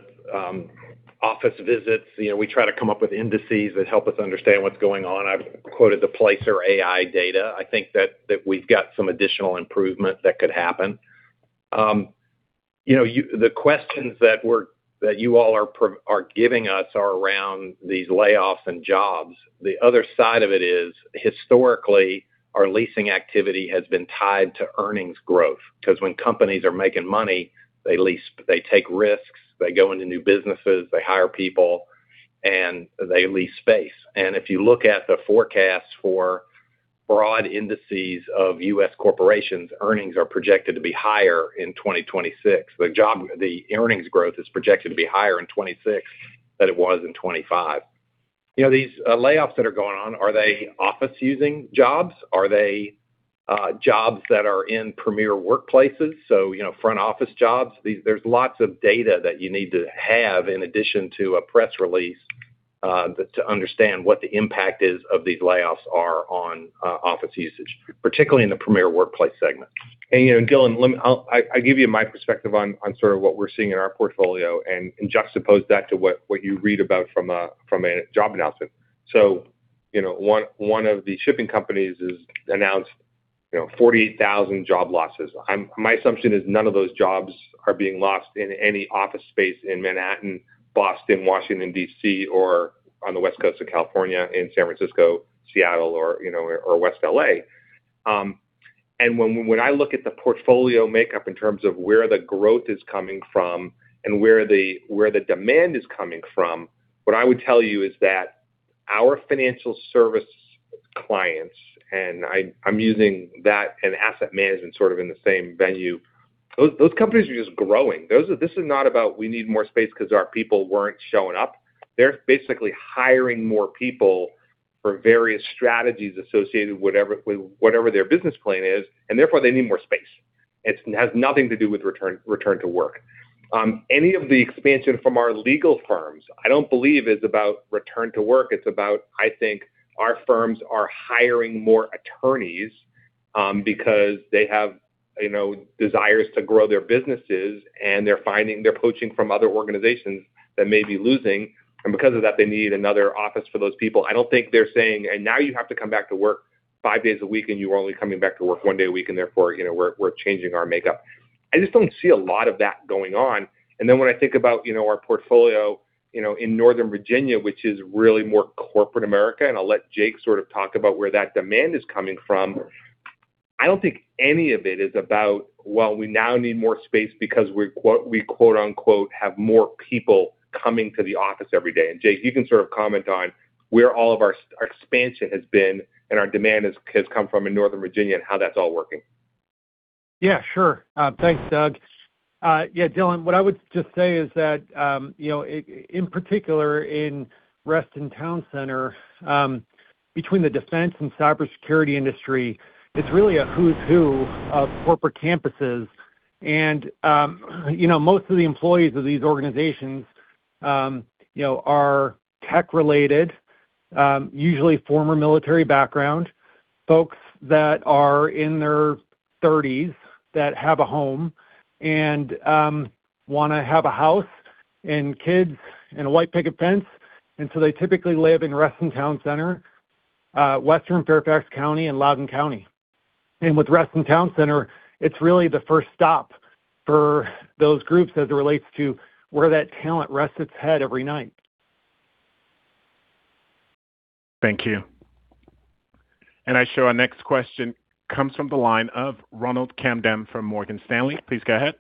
office visits. You know, we try to come up with indices that help us understand what's going on. I've quoted the Placer.ai data. I think that we've got some additional improvement that could happen. You know, the questions that you all are giving us are around these layoffs and jobs. The other side of it is, historically, our leasing activity has been tied to earnings growth. 'Cause when companies are making money, they lease, they take risks, they go into new businesses, they hire people, and they lease space. And if you look at the forecasts for broad indices of U.S. corporations, earnings are projected to be higher in 2026. The earnings growth is projected to be higher in 2026 than it was in 2025. You know, these layoffs that are going on, are they office-using jobs? Are they jobs that are in premier workplaces, so, you know, front office jobs? There's lots of data that you need to have in addition to a press release to understand what the impact is of these layoffs are on office usage, particularly in the premier workplace segment. And, you know, Dylan, let me. I give you my perspective on sort of what we're seeing in our portfolio, and juxtapose that to what you read about from a job announcement. So, you know, one of the shipping companies has announced, you know, 48,000 job losses. My assumption is none of those jobs are being lost in any office space in Manhattan, Boston, Washington, D.C., or on the West Coast of California, in San Francisco, Seattle, or, you know, or West L.A. And when I look at the portfolio makeup in terms of where the growth is coming from and where the demand is coming from, what I would tell you is that our financial service clients, and I'm using that and asset management sort of in the same venue, those companies are just growing. Those are. This is not about we need more space because our people weren't showing up. They're basically hiring more people for various strategies associated with whatever their business plan is, and therefore, they need more space. It has nothing to do with return to work. Any of the expansion from our legal firms, I don't believe is about return to work. It's about, I think, our firms are hiring more attorneys, because they have, you know, desires to grow their businesses, and they're finding... They're poaching from other organizations that may be losing, and because of that, they need another office for those people. I don't think they're saying, "And now you have to come back to work five days a week, and you were only coming back to work one day a week, and therefore, you know, we're, we're changing our makeup." I just don't see a lot of that going on. And then when I think about, you know, our portfolio, you know, in Northern Virginia, which is really more corporate America, and I'll let Jake sort of talk about where that demand is coming from, I don't think any of it is about, well, we now need more space because we're, quote—we, quote, unquote, "have more people coming to the office every day." And, Jake, you can sort of comment on where all of our expansion has been and our demand has come from in Northern Virginia and how that's all working. Yeah, sure. Thanks, Doug. Yeah, Dylan, what I would just say is that, you know, in particular, in Reston Town Center, between the defense and cybersecurity industry, it's really a who's who of corporate campuses. And, you know, most of the employees of these organizations, you know, are tech related, usually former military background, folks that are in their thirties, that have a home and, wanna have a house and kids and a white picket fence. And so they typically live in Reston Town Center, Western Fairfax County and Loudoun County. And with Reston Town Center, it's really the first stop for those groups as it relates to where that talent rests its head every night. Thank you. And I show our next question comes from the line of Ronald Kamdem from Morgan Stanley. Please go ahead.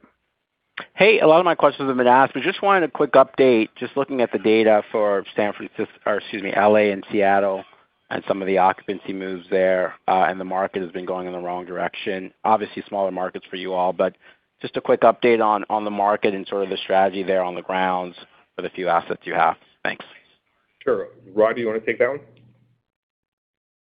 Hey, a lot of my questions have been asked, but just wanted a quick update. Just looking at the data for San Francis- or excuse me, LA and Seattle and some of the occupancy moves there, and the market has been going in the wrong direction. Obviously, smaller markets for you all, but just a quick update on, on the market and sort of the strategy there on the grounds for the few assets you have. Thanks. Sure. Rod do you wanna take that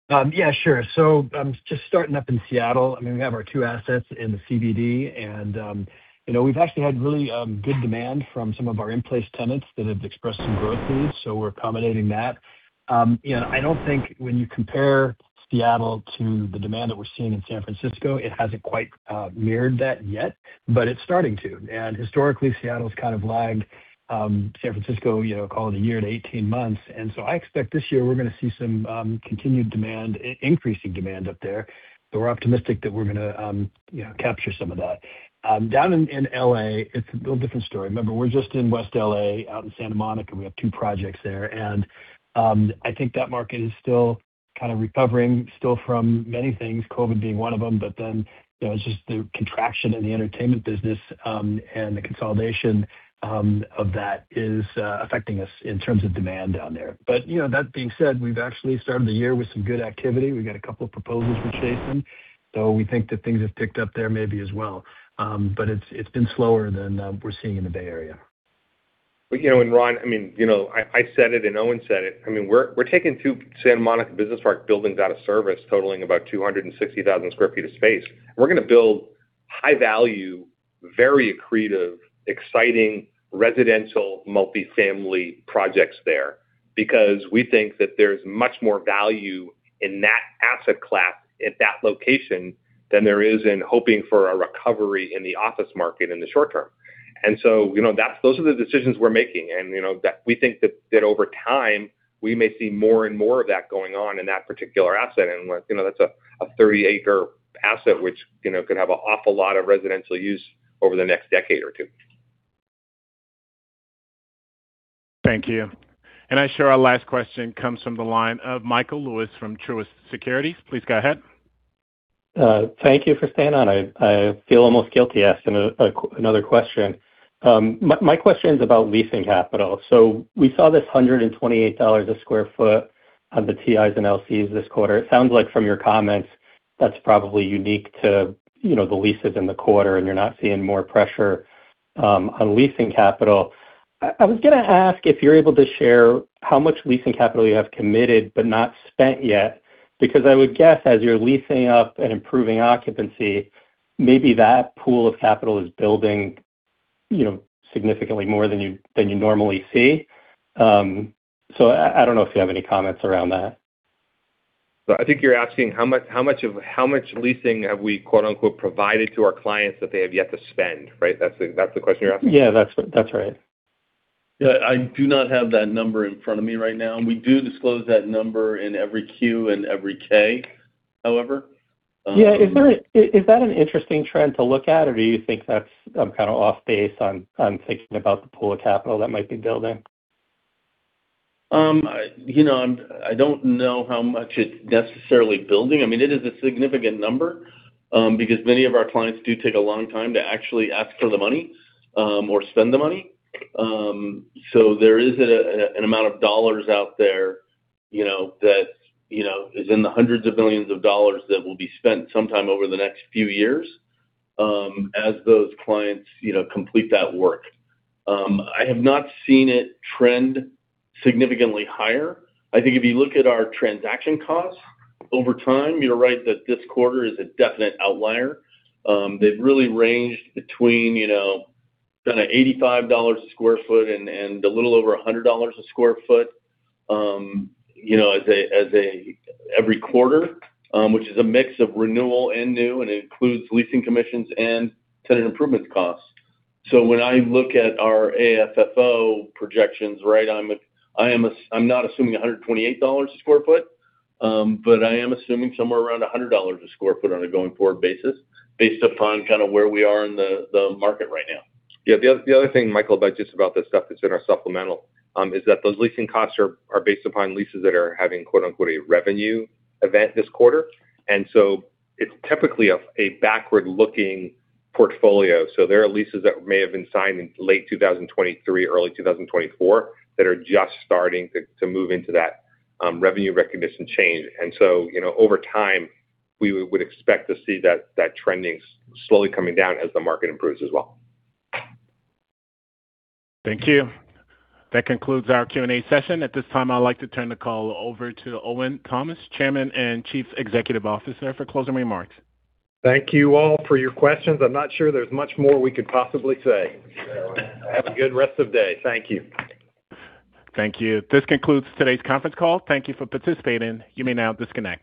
one? Yeah, sure. So, just starting up in Seattle, I mean, we have our two assets in the CBD, and, you know, we've actually had really, good demand from some of our in-place tenants that have expressed some growth needs, so we're accommodating that. You know, I don't think when you compare Seattle to the demand that we're seeing in San Francisco, it hasn't quite, mirrored that yet, but it's starting to. And historically, Seattle's kind of lagged, San Francisco, you know, call it a year to 18 months. And so I expect this year we're gonna see some, continued demand, increasing demand up there. So we're optimistic that we're gonna, you know, capture some of that. Down in LA, it's a little different story. Remember, we're just in West LA, out in Santa Monica. We have two projects there, and I think that market is still kind of recovering still from many things, COVID being one of them. But then, you know, it's just the contraction in the entertainment business, and the consolidation of that is affecting us in terms of demand down there. But, you know, that being said, we've actually started the year with some good activity. We've got a couple of proposals we're chasing, so we think that things have picked up there maybe as well. But it's, it's been slower than we're seeing in the Bay Area. But, you know, and Ron, I mean, you know, I, I said it, and Owen said it. I mean, we're, we're taking two Santa Monica Business Park buildings out of service, totaling about 260,000 sq ft of space. We're gonna build high value, very accretive, exciting residential multifamily projects there, because we think that there's much more value in that asset class at that location than there is in hoping for a recovery in the office market in the short term. And so, you know, that's those are the decisions we're making, and, you know, that we think that, that over time, we may see more and more of that going on in that particular asset. And, you know, that's a, a 30-acre asset which, you know, could have an awful lot of residential use over the next decade or two. Thank you. Our last question comes from the line of Michael Lewis from Truist Securities. Please go ahead. Thank you for staying on. I feel almost guilty asking another question. My question is about leasing capital. So we saw this $128 a sq ft on the TIs and LCs this quarter. It sounds like from your comments, that's probably unique to, you know, the leases in the quarter, and you're not seeing more pressure on leasing capital. I was gonna ask if you're able to share how much leasing capital you have committed but not spent yet, because I would guess as you're leasing up and improving occupancy, maybe that pool of capital is building, you know, significantly more than you normally see. So I don't know if you have any comments around that. So I think you're asking how much—how much leasing have we, quote unquote, provided to our clients that they have yet to spend, right? That's the question you're asking? Yeah, that's, that's right. Yeah, I do not have that number in front of me right now, and we do disclose that number in every Q and every K, however. Yeah. Is that an interesting trend to look at, or do you think that's, I'm kinda off base on thinking about the pool of capital that might be building? You know, I don't know how much it's necessarily building. I mean, it is a significant number, because many of our clients do take a long time to actually ask for the money, or spend the money. So there is an amount of dollars out there, you know, that, you know, is in the hundreds of billions of dollars that will be spent sometime over the next few years, as those clients, you know, complete that work. I have not seen it trend significantly higher. I think if you look at our transaction costs over time, you're right that this quarter is a definite outlier. They've really ranged between, you know, kinda $85 a sq ft and a little over $100 a sq ft, you know, as every quarter. which is a mix of renewal and new, and it includes leasing commissions and tenant improvement costs. So when I look at our AFFO projections, right, I'm not assuming $128 a sq ft, but I am assuming somewhere around $100 a sq ft on a going-forward basis, based upon kinda where we are in the market right now. Yeah, the other, the other thing, Michael, about just about this stuff that's in our supplemental is that those leasing costs are based upon leases that are having, quote, unquote, "a revenue event this quarter." And so it's typically a backward-looking portfolio. So there are leases that may have been signed in late 2023, early 2024, that are just starting to move into that revenue recognition change. And so, you know, we would expect to see that trending slowly coming down as the market improves as well. Thank you. That concludes our Q&A session. At this time, I'd like to turn the call over to Owen Thomas, Chairman and Chief Executive Officer, for closing remarks. Thank you all for your questions. I'm not sure there's much more we could possibly say. Have a good rest of day. Thank you. Thank you. This concludes today's conference call. Thank you for participating. You may now disconnect.